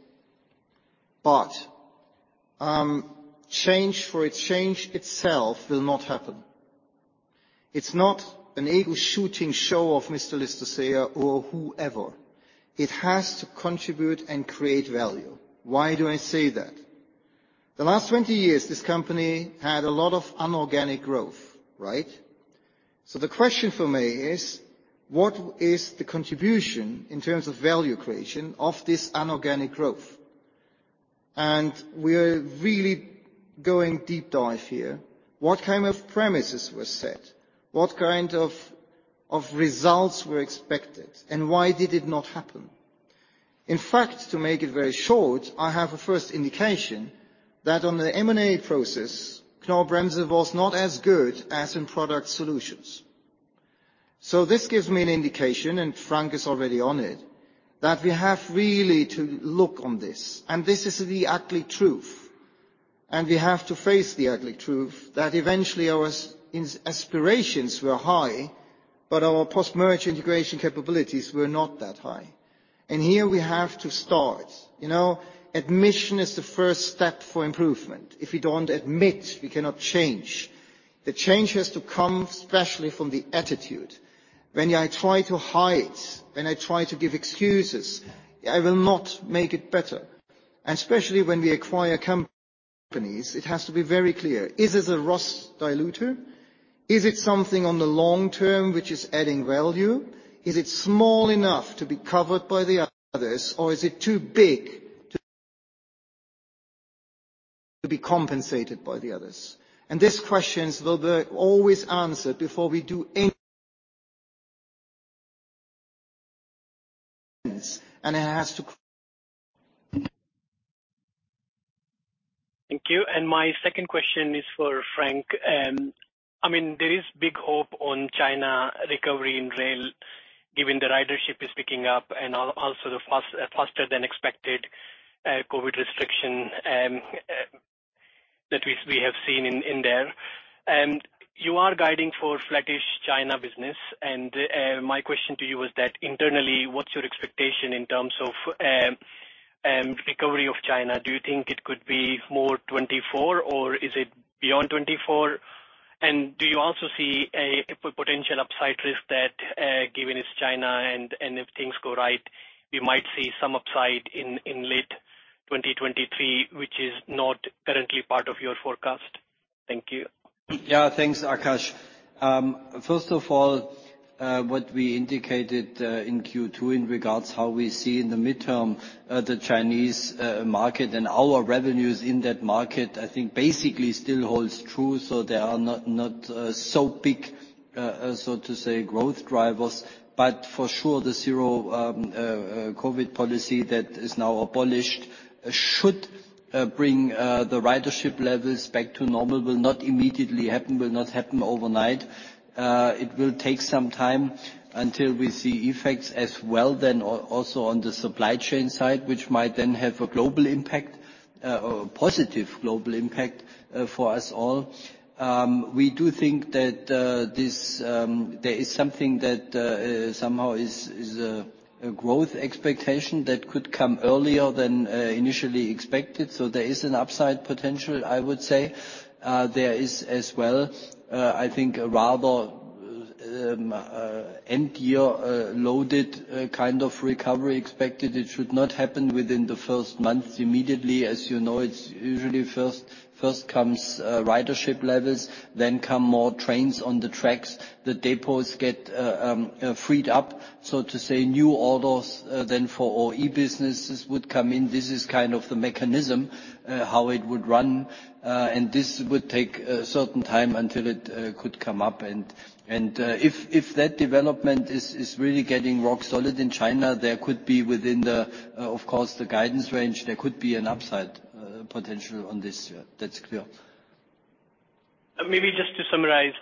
Change for its change itself will not happen. It's not an eagle-shooting show of Mr. Llistosella or whoever. It has to contribute and create value. Why do I say that? The last 20 years, this company had a lot of inorganic growth, right? The question for me is, what is the contribution in terms of value creation of this inorganic growth? We are really going deep dive here. What kind of premises were set? What kind of results were expected? Why did it not happen? In fact, to make it very short, I have a first indication that on the M&A process, Knorr-Bremse was not as good as in product solutions. This gives me an indication, and Frank is already on it, that we have really to look on this. This is the ugly truth. We have to face the ugly truth that eventually, our aspirations were high, but our post-merge integration capabilities were not that high. Here we have to start. Admission is the first step for improvement. If we don't admit, we cannot change. The change has to come especially from the attitude. When I try to hide it, when I try to give excuses, I will not make it better. Especially when we acquire companies, it has to be very clear. Is this a rust diluter? Is it something on the long term which is adding value? Is it small enough to be covered by the others, or is it too big to be compensated by the others? These questions will be always answered before we do anything. It has to. Thank you. My second question is for Frank. I mean, there is big hope on China recovery in Rail, given the ridership is picking up and also the faster-than-expected COVID restriction that we have seen in there. You are guiding for flattish China business. My question to you was that internally, what's your expectation in terms of recovery of China? Do you think it could be more 2024, or is it beyond 2024? Do you also see a potential upside risk that given it's China and if things go right, we might see some upside in late 2023, which is not currently part of your forecast? Thank you. Yeah. Thanks, Akash. First of all, what we indicated in Q2 in regards to how we see in the midterm the Chinese market and our revenues in that market, I think basically still holds true. There are not so big, so to say, growth drivers. For sure, the zero-COVID policy that is now abolished should bring the ridership levels back to normal. It will not immediately happen. It will not happen overnight. It will take some time until we see effects as well then also on the supply chain side, which might then have a global impact, a positive global impact for us all. We do think that there is something that somehow—is a growth expectation that could come earlier than initially expected. So there is an upside potential, I would say. There is as well, I think, a rather end-year-loaded kind of recovery expected. It should not happen within the first month immediately. As you know, it's usually first come ridership levels, then come more trains on the tracks. The depots get freed up, so to say. New orders then for OE businesses would come in. This is kind of the mechanism, how it would run. And this would take a certain time until it could come up. If that development is really getting rock-solid in China, there could be within the, of course, the guidance range, there could be an upside potential on this year. That's clear. Maybe just to summarize,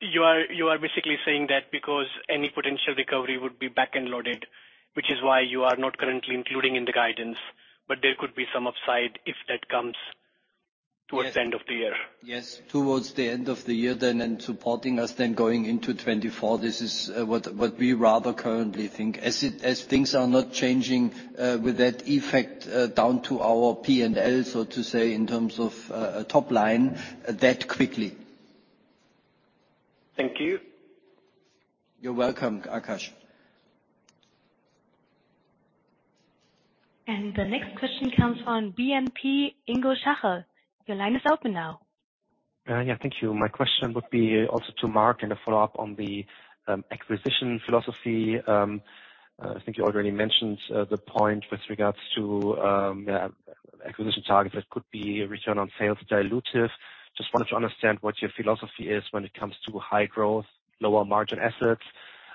you are basically saying that because any potential recovery would be back-end loaded, which is why you are not currently including in the guidance, but there could be some upside if that comes towards the end of the year. Yes. Towards the end of the year then and supporting us then going into 2024, this is what we rather currently think, as things are not changing with that effect down to our P&L, so to say, in terms of topline that quickly. Thank you. You're welcome, Akash. The next question comes from BNP Ingo Schachel. Your line is open now. Yeah. Thank you. My question would be also to Marc and a follow-up on the acquisition philosophy. I think you already mentioned the point with regards to acquisition targets that could be return on sales dilutive. Just wanted to understand what your philosophy is when it comes to high growth, lower margin assets.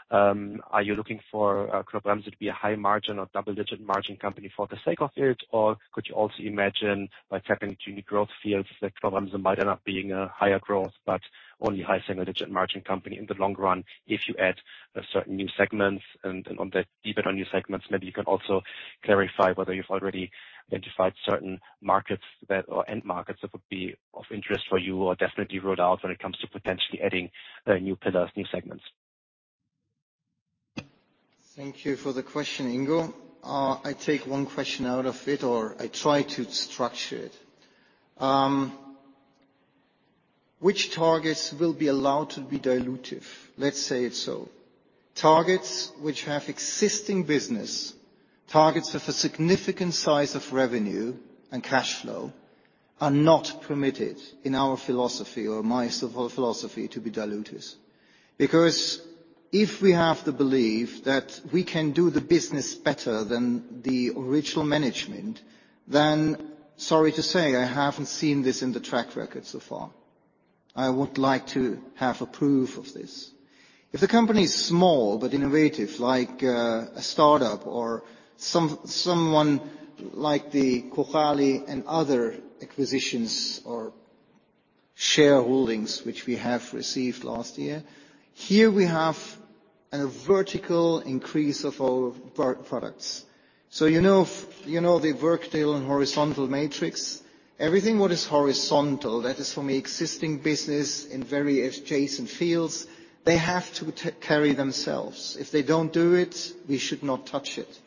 Are you looking for Knorr-Bremse to be a high-margin or double-digit margin company for the sake of it, or could you also imagine by tapping into new growth fields that Knorr-Bremse might end up being a higher growth but only high single-digit margin company in the long run if you add certain new segments? On that debate, on new segments, maybe you can also clarify whether you've already identified certain markets or end markets that would be of interest for you or definitely ruled out when it comes to potentially adding new pillars, new segments. Thank you for the question, Ingo. I take one question out of it, or I try to structure it. Which targets will be allowed to be dilutive? Let's say it so. Targets which have existing business, targets with a significant size of revenue and cash flow are not permitted in our philosophy or my philosophy to be dilutors because if we have the belief that we can do the business better than the original management, then sorry to say, I haven't seen this in the track record so far. I would like to have a proof of this. If the company is small but innovative like a startup or someone like the Cojali and other acquisitions or shareholdings which we have received last year, here we have a vertical increase of our products. You know the vertical and horizontal matrix. Everything what is horizontal, that is, for me, existing business in very adjacent fields, they have to carry themselves. If they don't do it, we should not touch it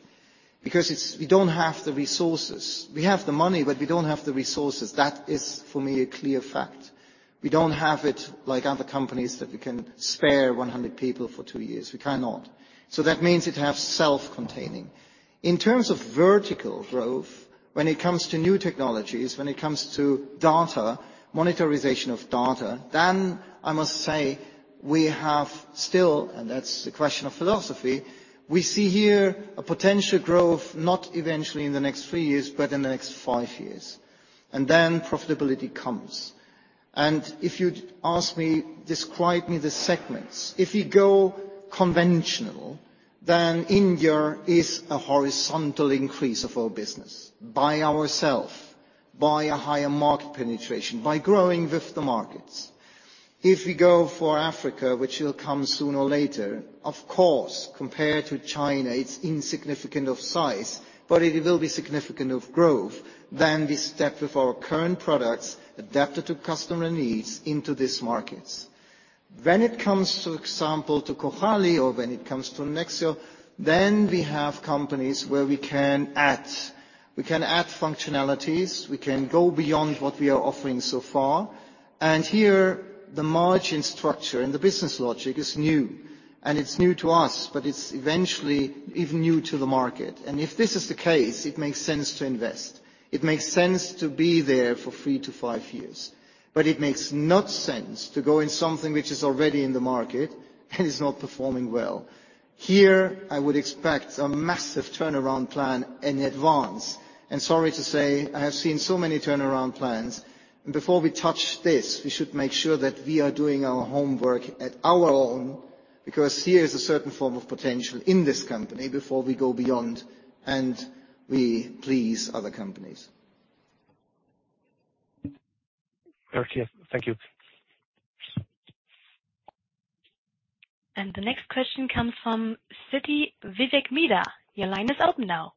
because we don't have the resources. We have the money, but we don't have the resources. That is, for me, a clear fact. We don't have it like other companies that we can spare 100 people for two years. We cannot. That means it has self-containing. In terms of vertical growth, when it comes to new technologies, when it comes to data, monitorization of data, I must say we have still, and that's the question of philosophy, we see here a potential growth not eventually in the next three years but in the next five years. Then profitability comes. If you ask me, describe me the segments. If you go conventional, then India is a horizontal increase of our business by ourselves, by a higher market penetration, by growing with the markets. If we go for Africa, which will come sooner or later, of course, compared to China, it's insignificant of size, but it will be significant of growth, then we step with our current products adapted to customer needs into these markets. When it comes, for example, to Cojali or when it comes to Nexxiot, then we have companies where we can add functionalities. We can go beyond what we are offering so far. Here, the margin structure and the business logic is new. It's new to us, but it's eventually even new to the market. If this is the case, it makes sense to invest. It makes sense to be there for three to five years. It makes no sense to go in something which is already in the market and is not performing well. Here, I would expect a massive turnaround plan in advance. Sorry to say, I have seen so many turnaround plans. Before we touch this, we should make sure that we are doing our homework at our own because here is a certain form of potential in this company before we go beyond and we please other companies. Thank you. The next question comes from Vivek Midha. Your line is open now.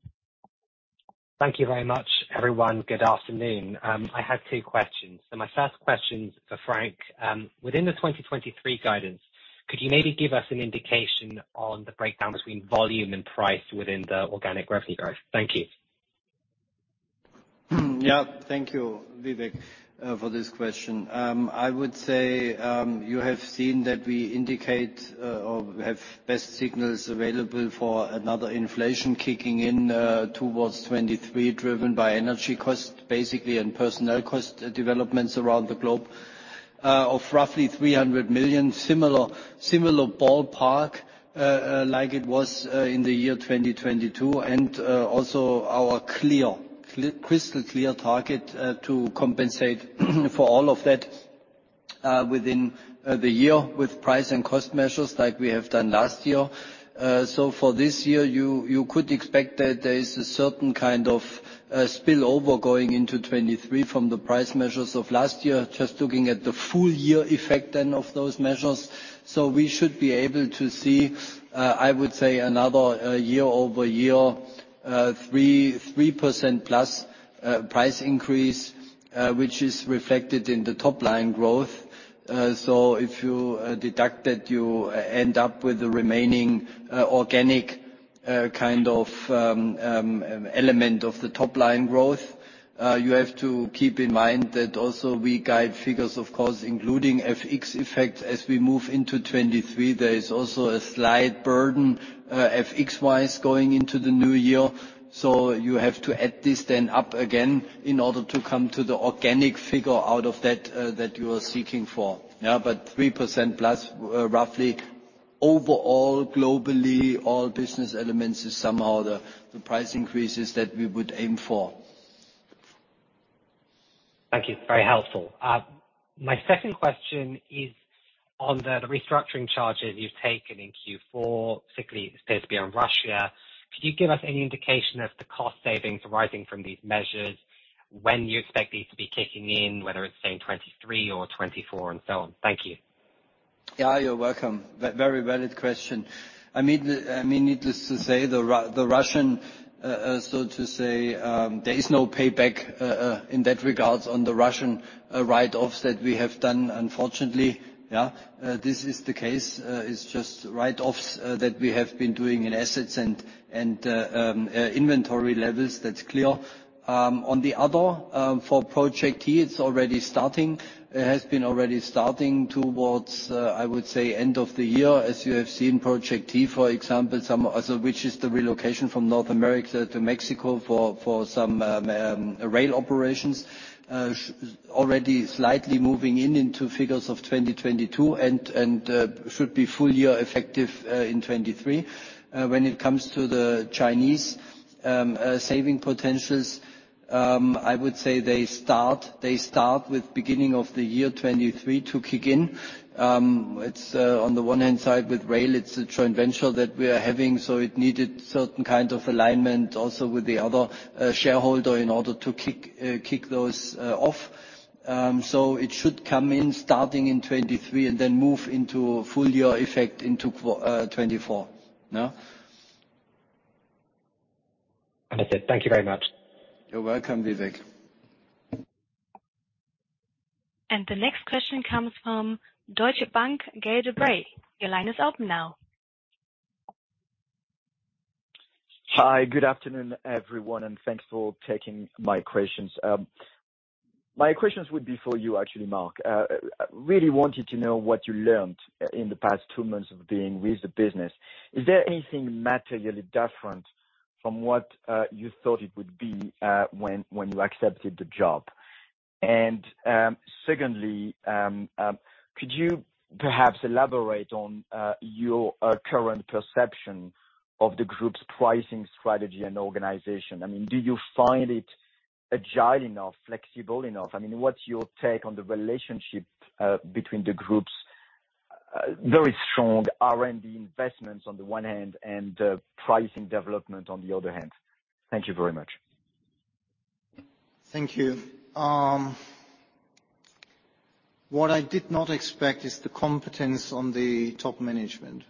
Thank you very much, everyone. Good afternoon. I have two questions. My first question is for Frank Weber. Within the 2023 guidance, could you maybe give us an indication on the breakdown between volume and price within the organic revenue growth? Thank you. Thank you, Vivek Midha, for this question. I would say you have seen that we indicate or have best signals available for another inflation kicking in towards 2023 driven by energy cost, basically, and personnel cost developments around the globe of roughly 300 million, similar ballpark like it was in the year 2022, and also our crystal-clear target to compensate for all of that within the year with price and cost measures like we have done last year. For this year, you could expect that there is a certain kind of spillover going into 2023 from the price measures of last year, just looking at the full-year effect then of those measures. We should be able to see, I would say, another year-over-year 3%+ price increase, which is reflected in the topline growth. If you deduct that you end up with the remaining organic kind of element of the top-line growth, you have to keep in mind that also we guide figures, of course, including FX effect. As we move into 2023, there is also a slight burden FX-wise going into the new year. You have to add this then up again in order to come to the organic figure out of that that you are seeking for. Yeah. 3%+, roughly, overall, globally, all business elements is somehow the price increases that we would aim for. Thank you. Very helpful. My second question is on the restructuring charges you've taken in Q4, particularly it appears to be on Russia. Could you give us any indication of the cost savings arising from these measures, when you expect these to be kicking in, whether it's, say, 2023 or 2024 and so on? Thank you. Yeah. You're welcome. Very valid question. I mean, needless to say, the Russian, so to say there is no payback in that regards on the Russian write-offs that we have done, unfortunately. Yeah. This is the case. It's just write-offs that we have been doing in assets and inventory levels. That's clear. On the other, for Project T, it's already starting. It has been already starting towards, I would say, end of the year, as you have seen Project T, for example, which is the relocation from North America to Mexico for some Rail operations, already slightly moving in into figures of 2022 and should be full-year effective in 2023. When it comes to the Chinese saving potentials, I would say they start with beginning of the year 2023 to kick in. On the one hand side, with Rail, it's a joint venture that we are having, so it needed certain kind of alignment also with the other shareholder in order to kick those off. It should come in starting in 2023 and then move into full-year effect into 2024. Yeah. Understood. Thank you very much. You're welcome, Vivek. The next question comes from Deutsche Bank, Gael de Bray. Your line is open now. Hi. Good afternoon, everyone, and thanks for taking my questions. My questions would be for you, actually, Marc. I really wanted to know what you learned in the past two months of being with the business. Is there anything materially different from what you thought it would be when you accepted the job? Secondly, could you perhaps elaborate on your current perception of the group's pricing strategy and organization? I mean, do you find it agile enough, flexible enough? I mean, what's your take on the relationship between the group's very strong R&D investments on the one hand and pricing development on the other hand? Thank you very much. Thank you. What I did not expect is the competence on the top management.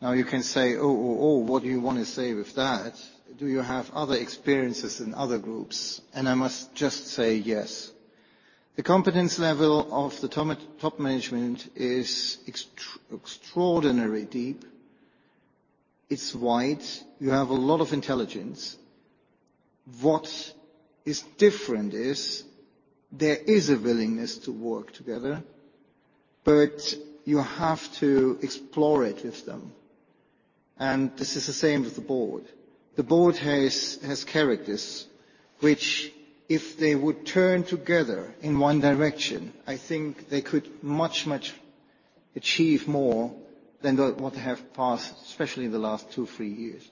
Now, you can say, "Oh, oh, what do you want to say with that? Do you have other experiences in other groups?" I must just say, yes. The competence level of the top management is extraordinarily deep. It's wide. You have a lot of intelligence. What is different is there is a willingness to work together, but you have to explore it with them. This is the same with the board. The board has characters which, if they would turn together in one direction, I think they could much, much achieve more than what they have passed, especially in the last two, three years.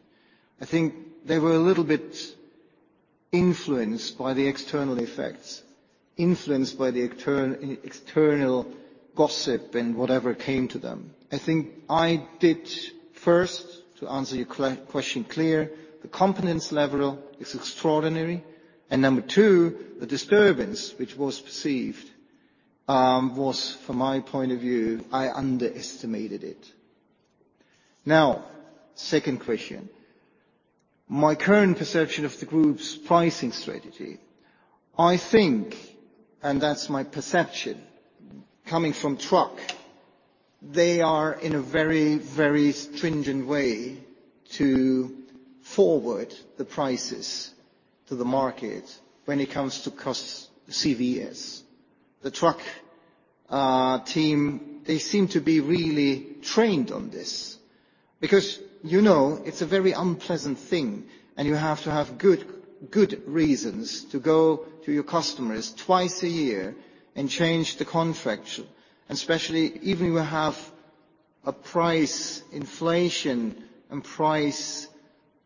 I think they were a little bit influenced by the external effects, influenced by the external gossip and whatever came to them. I think I did first, to answer your question clear, the competence level is extraordinary. Number two, the disturbance which was perceived was, from my point of view, I underestimated it. Now, second question. My current perception of the group's pricing strategy, I think, and that's my perception coming from Truck, they are in a very, very stringent way to forward the prices to the market when it comes to CVS. The Truck team, they seem to be really trained on this because it's a very unpleasant thing. You have to have good reasons to go to your customers twice a year and change the contract, especially even when you have a price inflation and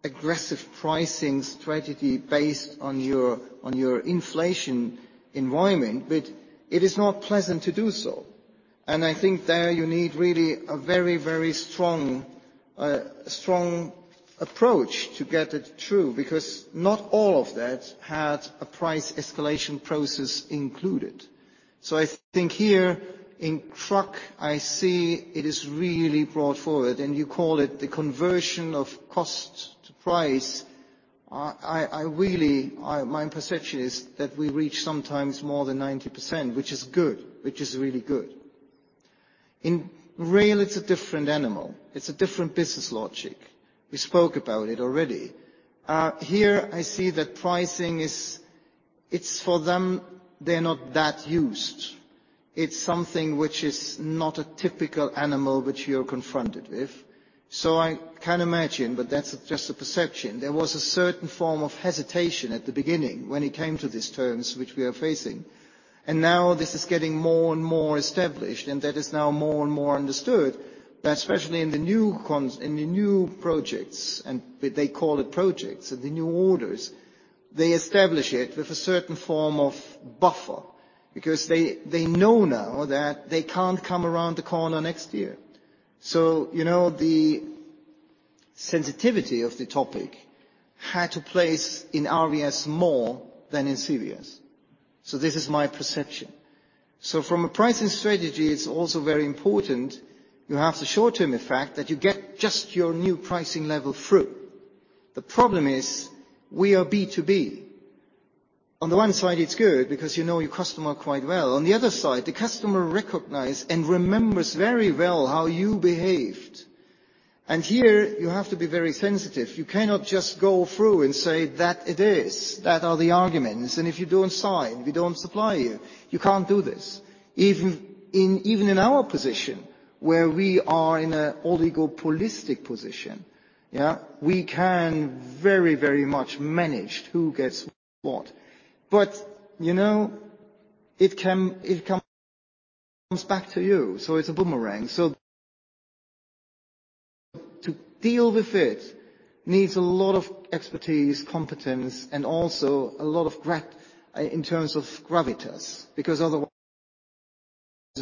aggressive pricing strategy based on your inflation environment. It is not pleasant to do so. I think there you need really a very, very strong approach to get it true because not all of that had a price escalation process included. I think here, in Truck, I see it is really brought forward. You call it the conversion of cost to price. My perception is that we reach sometimes more than 90%, which is good, which is really good. In Rail, it's a different animal. It's a different business logic. We spoke about it already. Here, I see that pricing, for them, they're not that used. It's something which is not a typical animal which you're confronted with. I can imagine, but that's just a perception. There was a certain form of hesitation at the beginning when it came to these terms which we are facing. Now, this is getting more and more established, and that is now more and more understood that, especially in the new projects, and they call it projects, in the new orders, they establish it with a certain form of buffer because they know now that they can't come around the corner next year. The sensitivity of the topic had to place in RVS more than in CVS. This is my perception. From a pricing strategy, it's also very important you have the short-term effect that you get just your new pricing level through. The problem is we are B2B. On the one side, it's good because you know your customer quite well. On the other side, the customer recognizes and remembers very well how you behaved. Here, you have to be very sensitive. You cannot just go through and say, "That it is. That are the arguments. And if you don't sign, we don't supply you." You can't do this. Even in our position, where we are in an oligopolistic position, we can very, very much manage who gets what. It comes back to you. It's a boomerang. To deal with it needs a lot of expertise, competence, and also a lot of in terms of gravitas because otherwise,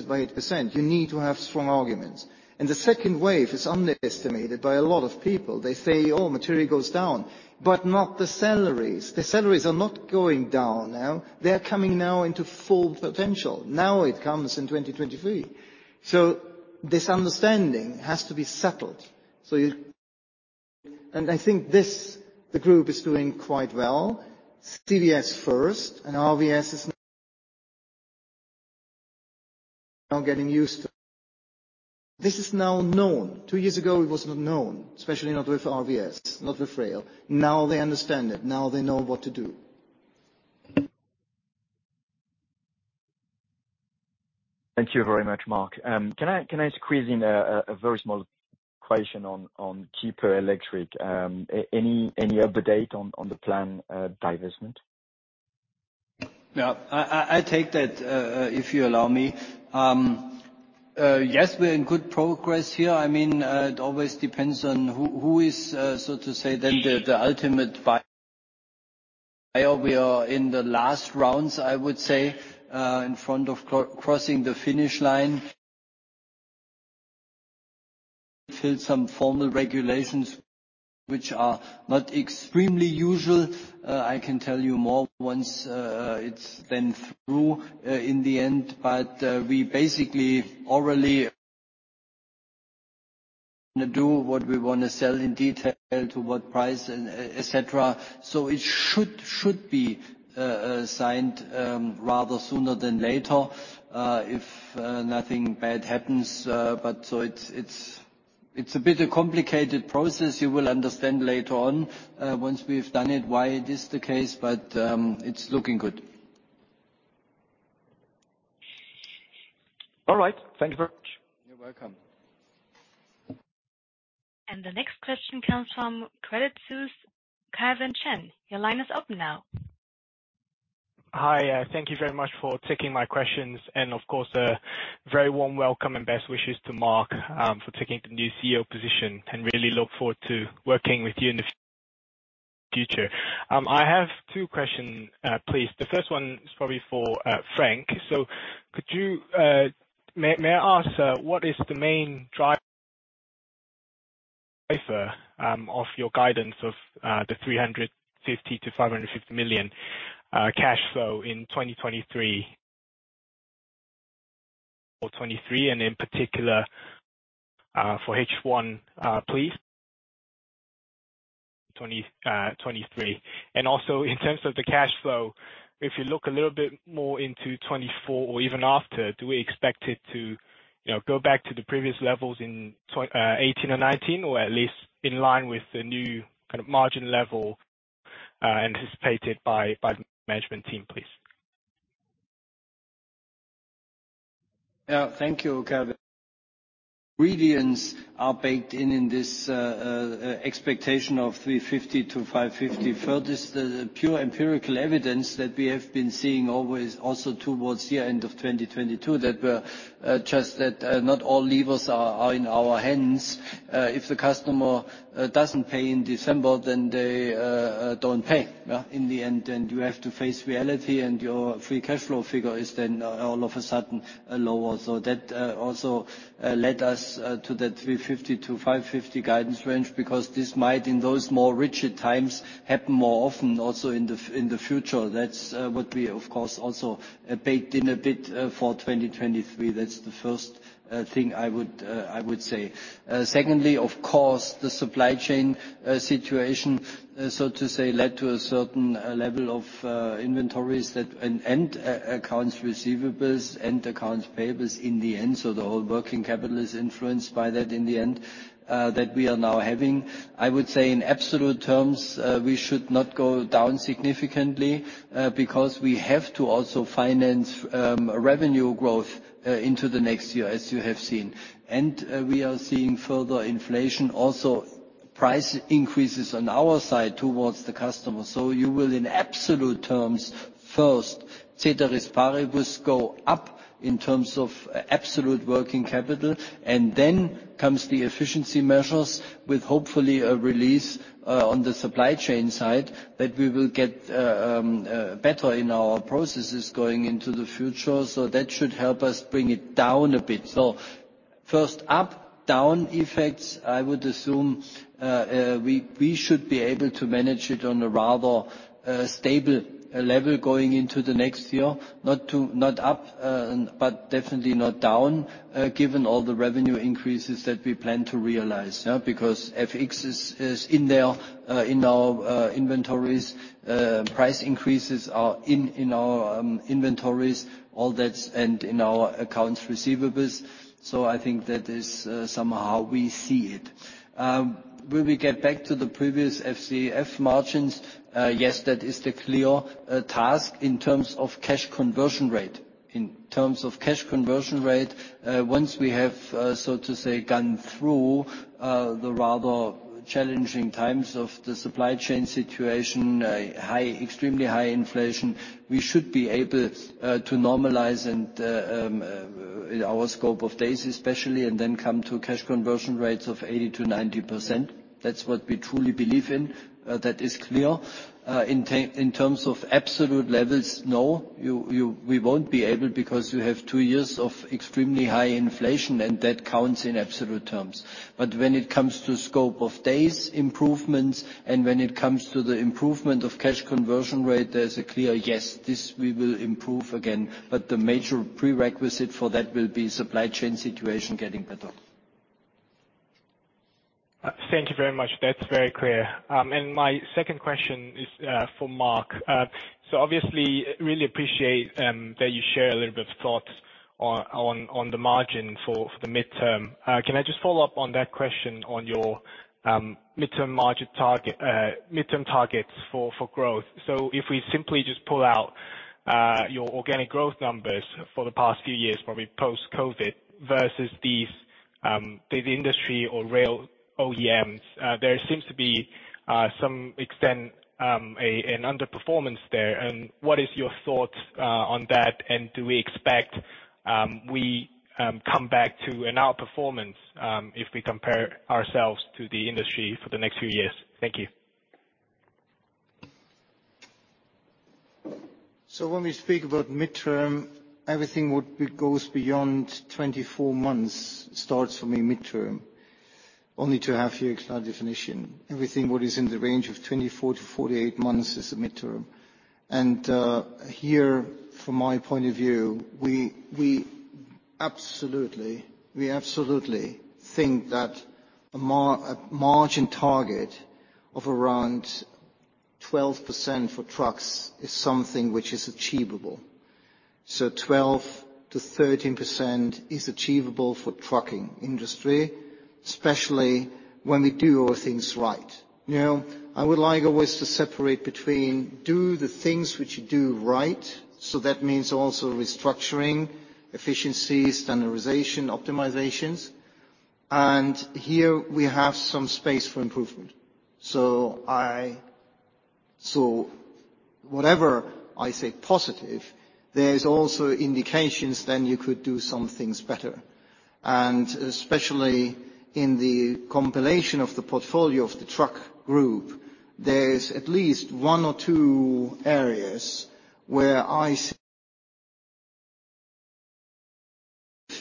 by 8%, you need to have strong arguments. The second wave is underestimated by a lot of people. They say, "Oh, material goes down," but not the salaries. The salaries are not going down now. They're coming now into full potential. Now it comes in 2023. This understanding has to be settled. I think the group is doing quite well. CVS first, and RVS is now getting used to it. This is now known. Two years ago, it was not known, especially not with RVS, not with Rail. Now they understand it. Now they know what to do. Thank you very much, Marc. Can I squeeze in a very small question on Kiepe Electric? Any update on the plan divestment? I take that, if you allow me. Yes, we're in good progress here. I mean, it always depends on who is, so to say, then the ultimate buyer. We are in the last rounds, I would say, in front of crossing the finish line. We filled some formal regulations which are not extremely usual. I can tell you more once it's then through in the end. We basically orally want to do what we want to sell in detail to what price, etc. It should be signed rather sooner than later if nothing bad happens. It's a bit a complicated process. You will understand later on once we have done it why it is the case. It's looking good. All right. Thank you very much. You're welcome. The next question comes from Credit Suisse, Calvin Chen. Your line is open now. Hi. Thank you very much for taking my questions. Of course, a very warm welcome and best wishes to Marc for taking the new CEO position and really look forward to working with you in the future. I have two questions, please. The first one is probably for Frank. Could you may I ask what is the main driver of your guidance of the 350 million-550 million cash flow in 2023 or 2023? In particular, for H1, please? Also, in terms of the cash flow, if you look a little bit more into 2024 or even after, do we expect it to go back to the previous levels in 2018 or 2019 or at least in line with the new kind of margin level anticipated by the management team, please? Yeah. Thank you, Calvin. Ingredients are baked in in this expectation of 350 million-550 million. Pure empirical evidence that we have been seeing always also towards year-end of 2022 that not all levers are in our hands. If the customer doesn't pay in December, then they don't pay in the end. You have to face reality, and your free cash flow figure is then all of a sudden lower. That also led us to that 350 million-550 million guidance range because this might, in those more rigid times, happen more often also in the future. That's what we, of course, also baked in a bit for 2023. That's the first thing I would say. Secondly, of course, the supply chain situation, so to say, led to a certain level of inventories and end accounts receivables and accounts payables in the end. The whole working capital is influenced by that in the end that we are now having. I would say, in absolute terms, we should not go down significantly because we have to also finance revenue growth into the next year, as you have seen. We are seeing further inflation, also price increases on our side towards the customer. You will, in absolute terms, first, Ceteris paribus go up in terms of absolute working capital. Then comes the efficiency measures with, hopefully, a release on the supply chain side that we will get better in our processes going into the future. That should help us bring it down a bit. First up, down effects, I would assume we should be able to manage it on a rather stable level going into the next year, not up but definitely not down given all the revenue increases that we plan to realize because FX is in there in our inventories. Price increases are in our inventories and in our accounts receivables. I think that is somehow how we see it. Will we get back to the previous FCF margins? Yes, that is the clear task in terms of cash conversion rate. In terms of cash conversion rate, once we have, so to say, gone through the rather challenging times of the supply chain situation, extremely high inflation, we should be able to normalize in our scope of days, especially, and then come to cash conversion rates of 80%-90%. That's what we truly believe in. That is clear. In terms of absolute levels, no. We won't be able because you have two years of extremely high inflation, and that counts in absolute terms. When it comes to scope of days improvements and when it comes to the improvement of cash conversion rate, there's a clear, "Yes, we will improve again." The major prerequisite for that will be supply chain situation getting better. Thank you very much. That's very clear. My second question is for Marc. Obviously, really appreciate that you share a little bit of thoughts on the margin for the midterm. Can I just follow up on that question on your midterm margin targets for growth? If we simply just pull out your organic growth numbers for the past few years, probably post-COVID, versus the industry or Rail OEMs, there seems to be, to some extent, an underperformance there. What is your thought on that? Do we expect we come back to an outperformance if we compare ourselves to the industry for the next few years? Thank you. When we speak about midterm, everything goes beyond 24 months starts for me midterm, only to have here a clear definition. Everything what is in the range of 24-48 months is a midterm. Here, from my point of view, we absolutely think that a margin target of around 12% for Trucks is something which is achievable. 12%-13% is achievable for Trucking industry, especially when we do all things right. I would like always to separate between do the things which you do right. That means also restructuring, efficiencies, standardization, optimizations. Here, we have some space for improvement. Whatever I say positive, there's also indications then you could do some things better. Especially in the compilation of the portfolio of the Truck group, there's at least one or two areas where I see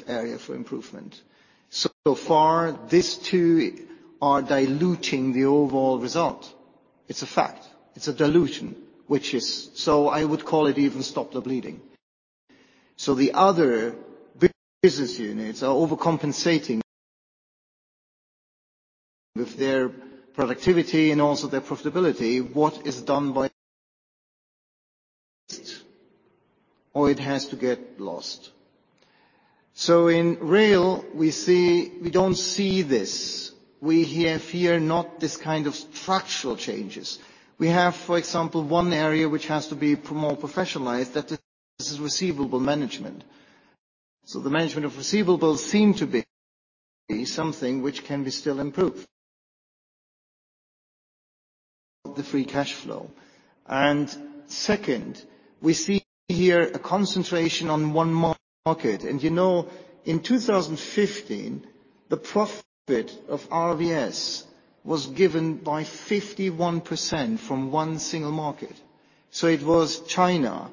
area for improvement. Far, these two are diluting the overall result. It's a fact. It's a dilution which is I would call it even stop the bleeding. The other business units are overcompensating with their productivity and also their profitability. What is done by it, or it has to get lost? In Rail, we don't see this. We have here not this kind of structural changes. We have, for example, one area which has to be more professionalized that is receivable management. The management of receivables seem to be something which can be still improved, the free cash flow. Second, we see here a concentration on one market. In 2015, the profit of RVS was given by 51% from one single market. It was China.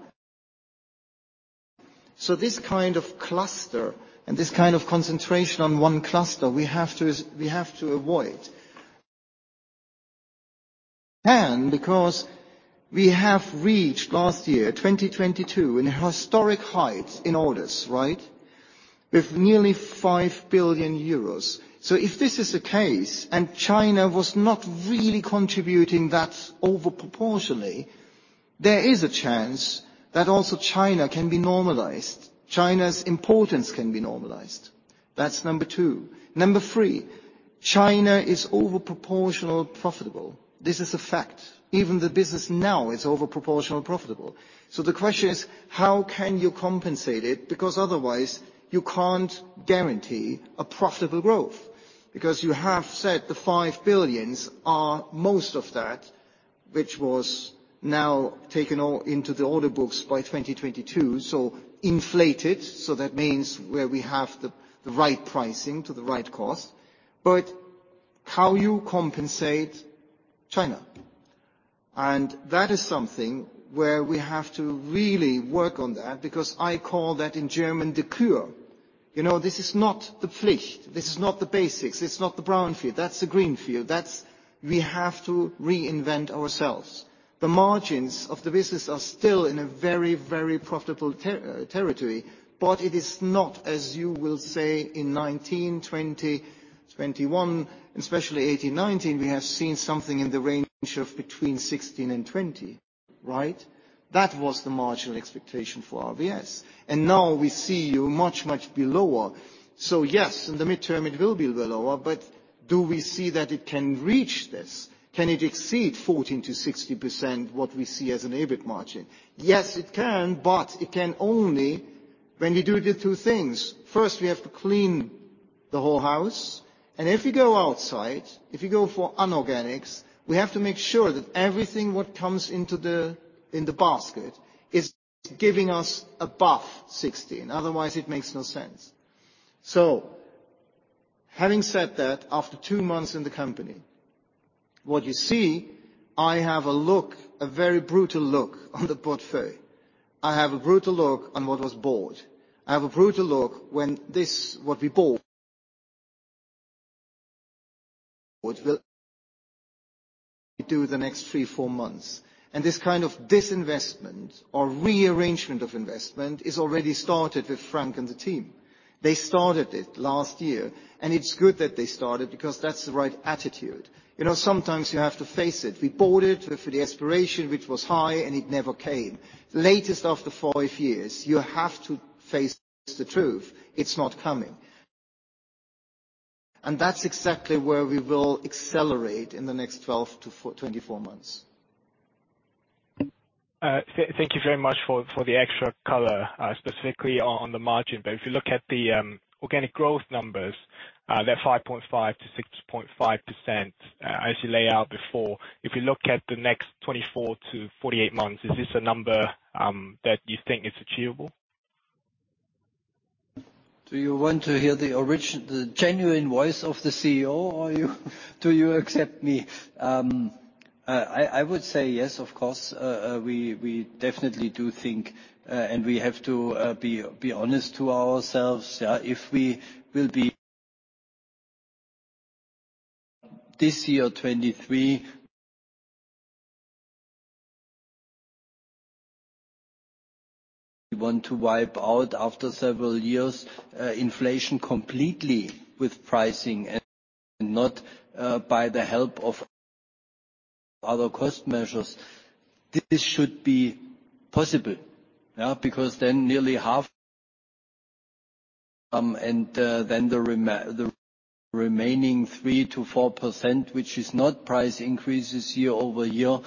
This kind of cluster and this kind of concentration on one cluster, we have to avoid because we have reached last year, 2022, in historic heights in orders, right, with nearly 5 billion euros. If this is the case and China was not really contributing that overproportionally, there is a chance that also China can be normalized. China's importance can be normalized. That's number two. Number three, China is overproportional profitable. This is a fact. Even the business now is overproportional profitable. The question is, how can you compensate it? Because otherwise, you can't guarantee a profitable growth because you have said the 5 billion are most of that which was now taken into the order books by 2022, so inflated. That means where we have the right pricing to the right cost. How you compensate China? That is something where we have to really work on that because I call that in German, the Kur. This is not the Pflicht. This is not the basics. It's not the brown field. That's the green field. We have to reinvent ourselves. The margins of the business are still in a very, very profitable territory, but it is not, as you will say, in 2019, 2020, 2021, especially 2018, 2019, we have seen something in the range of between 2016 and 2020, right? That was the marginal expectation for RVS. Now we see you much, much belower. Yes, in the midterm, it will be lower. Do we see that it can reach this? Can it exceed 14%-60% what we see as an EBIT margin? Yes, it can, it can only when we do the two things. First, we have to clean the whole house. If we go outside, if we go for unorganics, we have to make sure that everything what comes into the basket is giving us above 16%. Otherwise, it makes no sense. Having said that, after two months in the company, what you see, I have a look, a very brutal look on the portfolio. I have a brutal look on what was bought. I have a brutal look when what we bought will do the next three, four months. This kind of disinvestment or rearrangement of investment is already started with Frank and the team. They started it last year. It's good that they started because that's the right attitude. Sometimes you have to face it. We bought it for the aspiration which was high, it never came. Latest after five years, you have to face the truth. It's not coming. That's exactly where we will accelerate in the next 12–24 months. Thank you very much for the extra color, specifically on the margin. If you look at the organic growth numbers, they're 5.5%-6.5%, as you lay out before. If you look at the next 24–48 months, is this a number that you think is achievable? Do you want to hear the genuine voice of the CEO, or do you accept me? I would say yes, of course. We definitely do think, and we have to be honest to ourselves. If we will be this year, 2023, we want to wipe out after several years inflation completely with pricing and not by the help of other cost measures, this should be possible because then nearly half and then the remaining 3%-4%, which is not price increases year-over-year,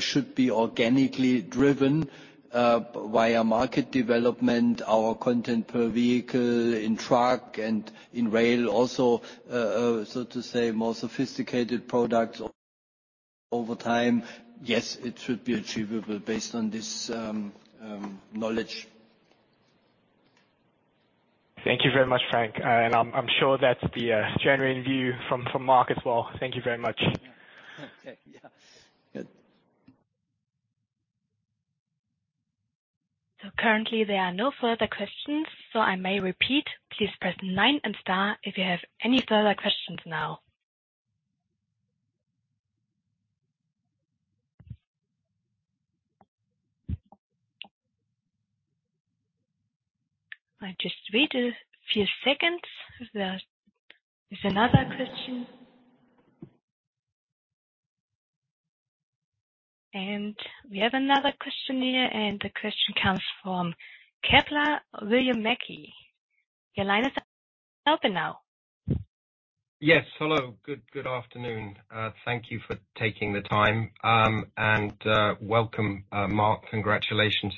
should be organically driven via market development, our content per vehicle in Truck and in Rail also, so to say, more sophisticated products over time. Yes, it should be achievable based on this knowledge. Thank you very much, Frank. I'm sure that's the genuine view from Marc as well. Thank you very much. Currently, there are no further questions. I may repeat. Please press nine and star if you have any further questions now. I just read a few seconds. Is there another question? We have another question here. The question comes from Kepler, William Mackie. Your line is open now. Yes. Hello. Good afternoon. Thank you for taking the time. Welcome, Marc. Congratulations.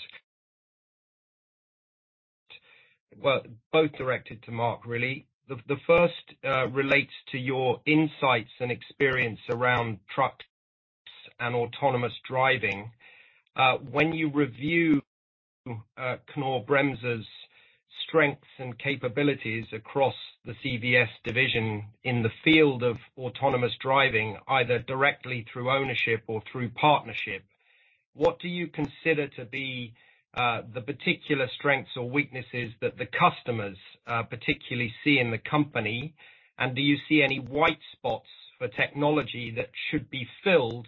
Well, both directed to Marc, really. The first relates to your insights and experience around Trucks and autonomous driving. When you review Knorr-Bremse's strengths and capabilities across the CVS division in the field of autonomous driving, either directly through ownership or through partnership, what do you consider to be the particular strengths or weaknesses that the customers particularly see in the company? Do you see any white spots for technology that should be filled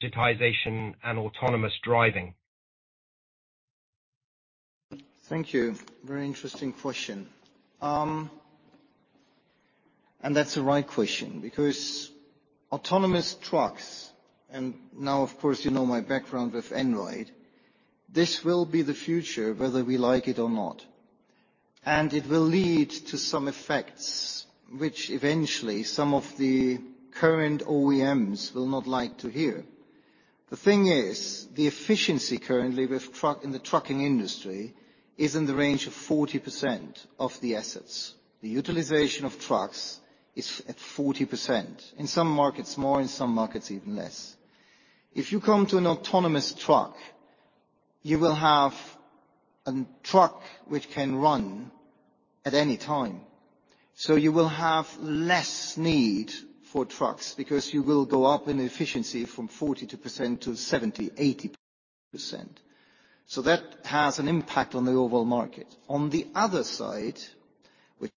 to digitization and autonomous driving? Thank you. Very interesting question. That's a right question because autonomous trucks and now, of course, you know my background with Einride. This will be the future, whether we like it or not. It will lead to some effects which eventually, some of the current OEMs will not like to hear. The thing is, the efficiency currently in the trucking industry is in the range of 40% of the assets. The utilization of trucks is at 40%. In some markets, more. In some markets, even less. If you come to an autonomous truck, you will have a truck which can run at any time. You will have less need for trucks because you will go up in efficiency from 40% to 70%-80%. That has an impact on the overall market. On the other side, which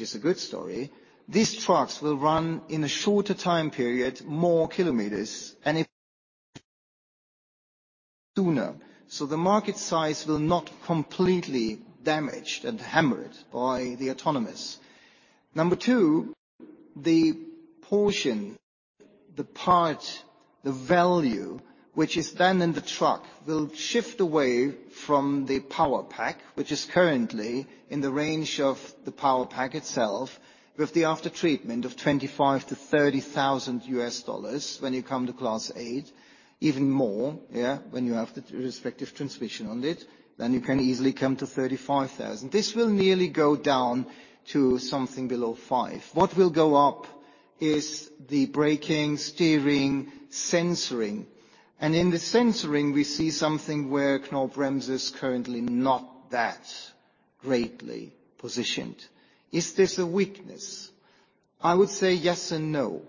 is a good story, these Trucks will run in a shorter time period, more kilometers, and sooner. The market size will not completely damaged and hammered by the autonomous. Number two, the portion, the part, the value which is then in the truck will shift away from the power pack, which is currently in the range of the power pack itself with the aftertreatment of $25,000-$30,000 when you come to Class 8, even more when you have the respective transmission on it. You can easily come to $35,000. This will nearly go down to something below $5,000. What will go up is the braking, steering, sensoring. In the sensoring, we see something where Knorr-Bremse is currently not that greatly positioned. Is this a weakness? I would say yes and no.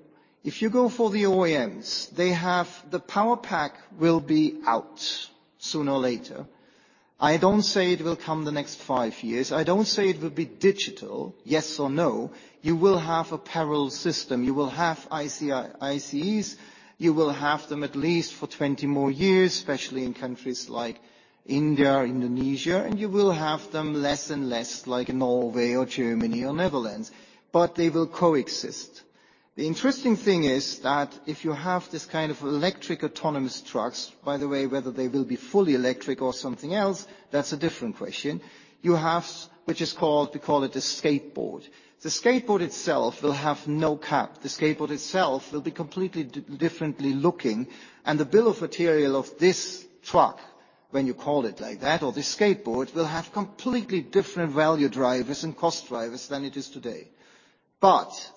If you go for the OEMs, the power pack will be out sooner or later. I don't say it will come the next five years. I don't say it will be digital, yes or no. You will have a peril system. You will have ICEs. You will have them at least for 20 more years, especially in countries like India, Indonesia. You will have them less and less, like Norway or Germany or Netherlands. They will coexist. The interesting thing is that if you have this kind of electric autonomous trucks, by the way, whether they will be fully electric or something else, that's a different question, we call it the skateboard. The skateboard itself will have no cap. The skateboard itself will be completely differently looking. The bill of material of this truck, when you call it like that, or the skateboard, will have completely different value drivers and cost drivers than it is today.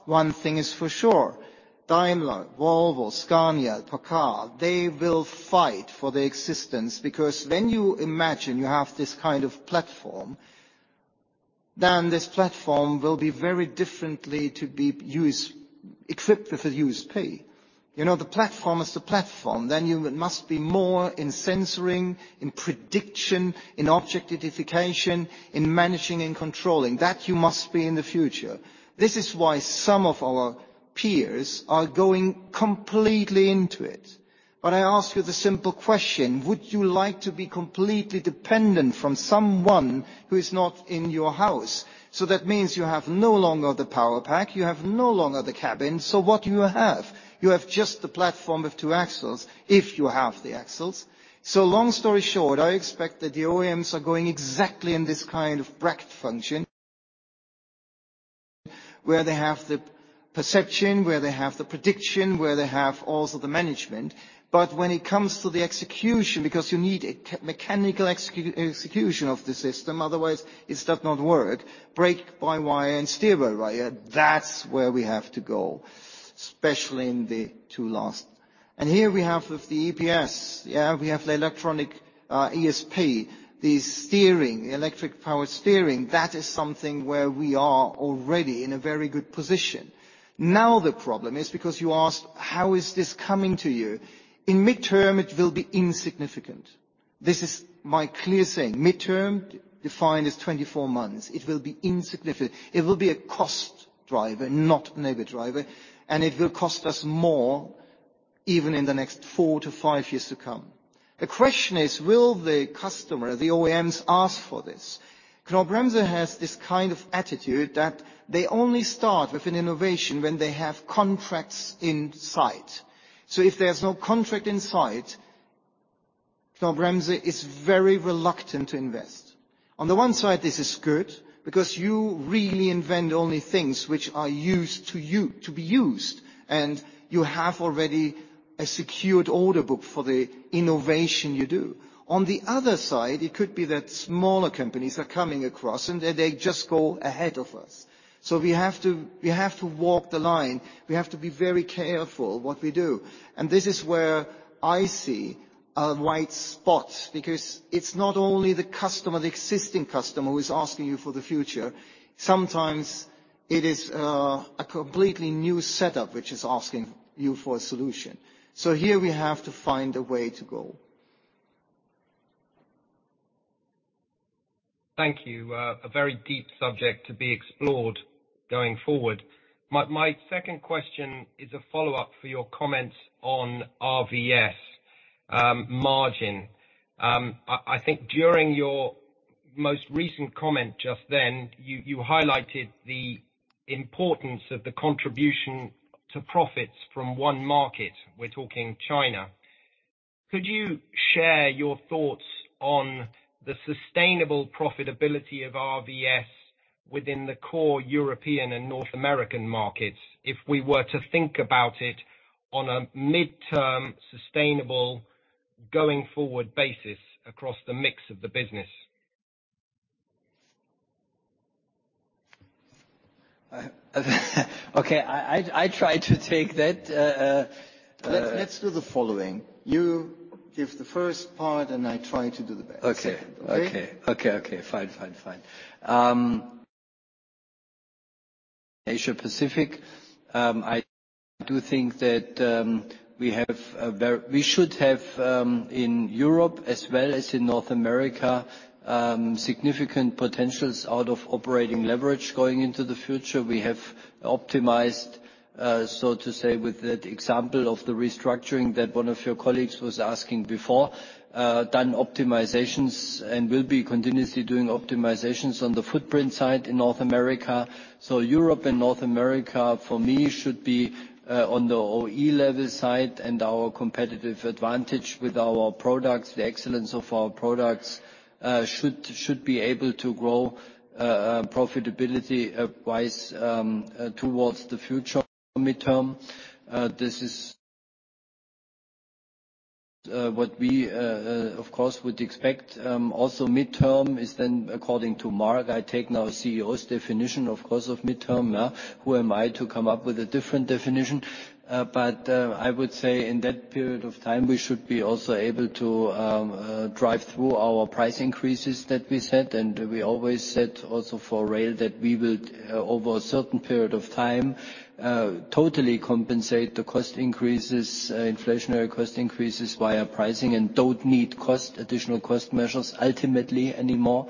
One thing is for sure. Daimler, Volvo, Scania, PACCAR, they will fight for their existence because when you imagine you have this kind of platform, this platform will be very differently to be equipped with a used pay. The platform is the platform. You must be more in sensoring, in prediction, in object identification, in managing and controlling. That you must be in the future. This is why some of our peers are going completely into it. I ask you the simple question, would you like to be completely dependent from someone who is not in your house? That means you have no longer the power pack. You have no longer the cabin. What do you have? You have just the platform with two axles if you have the axles. Long story short, I expect that the OEMs are going exactly in this kind of bracket function where they have the perception, where they have the prediction, where they have also the management. When it comes to the execution because you need a mechanical execution of the system, otherwise, it does not work, brake-by-wire and steer-by-wire, that's where we have to go, especially in the two last. Here we have the EPS. We have the electronic ESP. The Electric Power Steering, that is something where we are already in a very good position. The problem is because you asked, how is this coming to you? In midterm, it will be insignificant. This is my clear saying. Midterm, defined as 24 months, it will be insignificant. It will be a cost driver, not an EBIT driver. It will cost us more even in the next four to five years to come. The question is, will the customer, the OEMs, ask for this? Knorr-Bremse has this kind of attitude that they only start with an innovation when they have contracts in sight. If there's no contract in sight, Knorr-Bremse is very reluctant to invest. On the one side, this is good because you really invent only things which are used to be used. You have already a secured order book for the innovation you do. On the other side, it could be that smaller companies are coming across, and they just go ahead of us. We have to walk the line. We have to be very careful what we do. This is where I see a white spot because it's not only the customer, the existing customer, who is asking you for the future. Sometimes it is a completely new setup which is asking you for a solution. Here we have to find a way to go. Thank you. A very deep subject to be explored going forward. My second question is a follow-up for your comments on RVS margin. I think during your most recent comment just then, you highlighted the importance of the contribution to profits from one market. We're talking China. Could you share your thoughts on the sustainable profitability of RVS within the core European and North American markets if we were to think about it on a midterm, sustainable, going forward basis across the mix of the business? Okay. I try to take that. Let's do the following. You give the first part, and I try to do the best. Okay. Okay. Okay. Okay. Fine. Fine. Fine. Asia-Pacific, I do think that we should have, in Europe as well as in North America, significant potentials out of operating leverage going into the future. We have optimized, so to say, with that example of the restructuring that one of your colleagues was asking before, done optimizations and will be continuously doing optimizations on the footprint side in North America. Europe and North America, for me, should be on the OE level side. Our competitive advantage with our products, the excellence of our products, should be able to grow profitability-wise towards the future midterm. This is what we, of course, would expect. Also, midterm is then according to Marc. I take now a CEO's definition, of course, of midterm. Who am I to come up with a different definition? I would say in that period of time, we should be also able to drive through our price increases that we set. We always said also for Rail that we will, over a certain period of time, totally compensate the cost increases, inflationary cost increases via pricing and don't need additional cost measures ultimately anymore.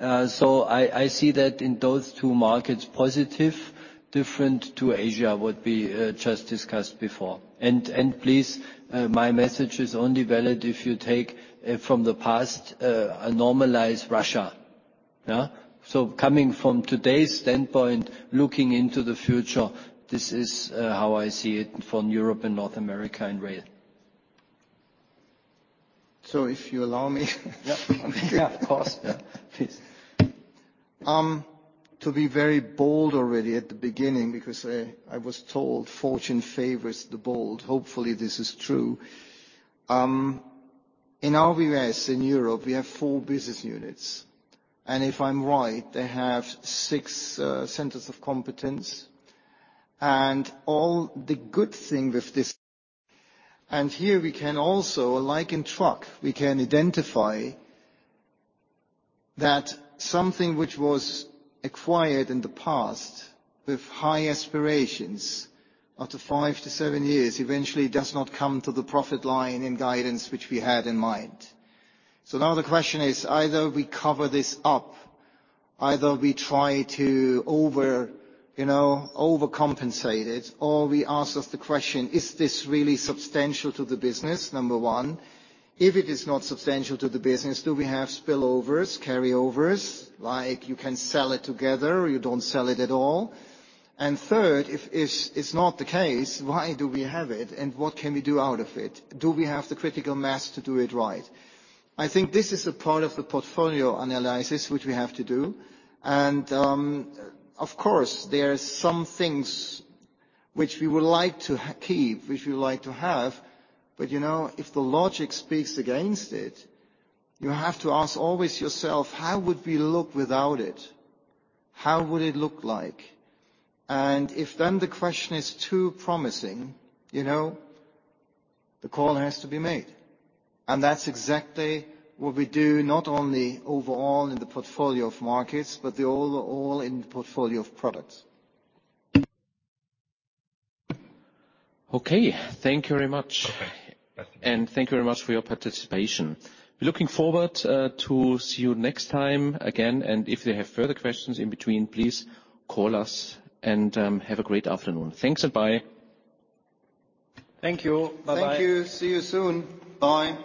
I see that in those two markets positive, different to Asia what we just discussed before. Please, my message is only valid if you take from the past, normalize Russia. Coming from today's standpoint, looking into the future, this is how I see it for Europe and North America in Rail. If you allow me. Yeah. Yeah. Of course. Yeah. Please. To be very bold already at the beginning because I was told fortune favors the bold. Hopefully, this is true. In RVS in Europe, we have four business units. If I'm right, they have six centers of competence. All the good thing with this and here we can also, like in Truck, we can identify that something which was acquired in the past with high aspirations after five to seven years eventually does not come to the profit line and guidance which we had in mind. Now the question is, either we cover this up, either we try to overcompensate it, or we ask us the question, is this really substantial to the business, number one? If it is not substantial to the business, do we have spillovers, carryovers, like you can sell it together or you don't sell it at all? Third, if it's not the case, why do we have it, and what can we do out of it? Do we have the critical mass to do it right? I think this is a part of the portfolio analysis which we have to do. Of course, there are some things which we would like to keep, which we would like to have. If the logic speaks against it, you have to ask always yourself, how would we look without it? How would it look like? If then the question is too promising, the call has to be made. That's exactly what we do not only overall in the portfolio of markets, but overall in the portfolio of products. Okay. Thank you very much. Thank you very much for your participation. Looking forward to see you next time again. If they have further questions in between, please call us. Have a great afternoon. Thanks and bye. Thank you. Bye-bye. Thank you. See you soon. Bye.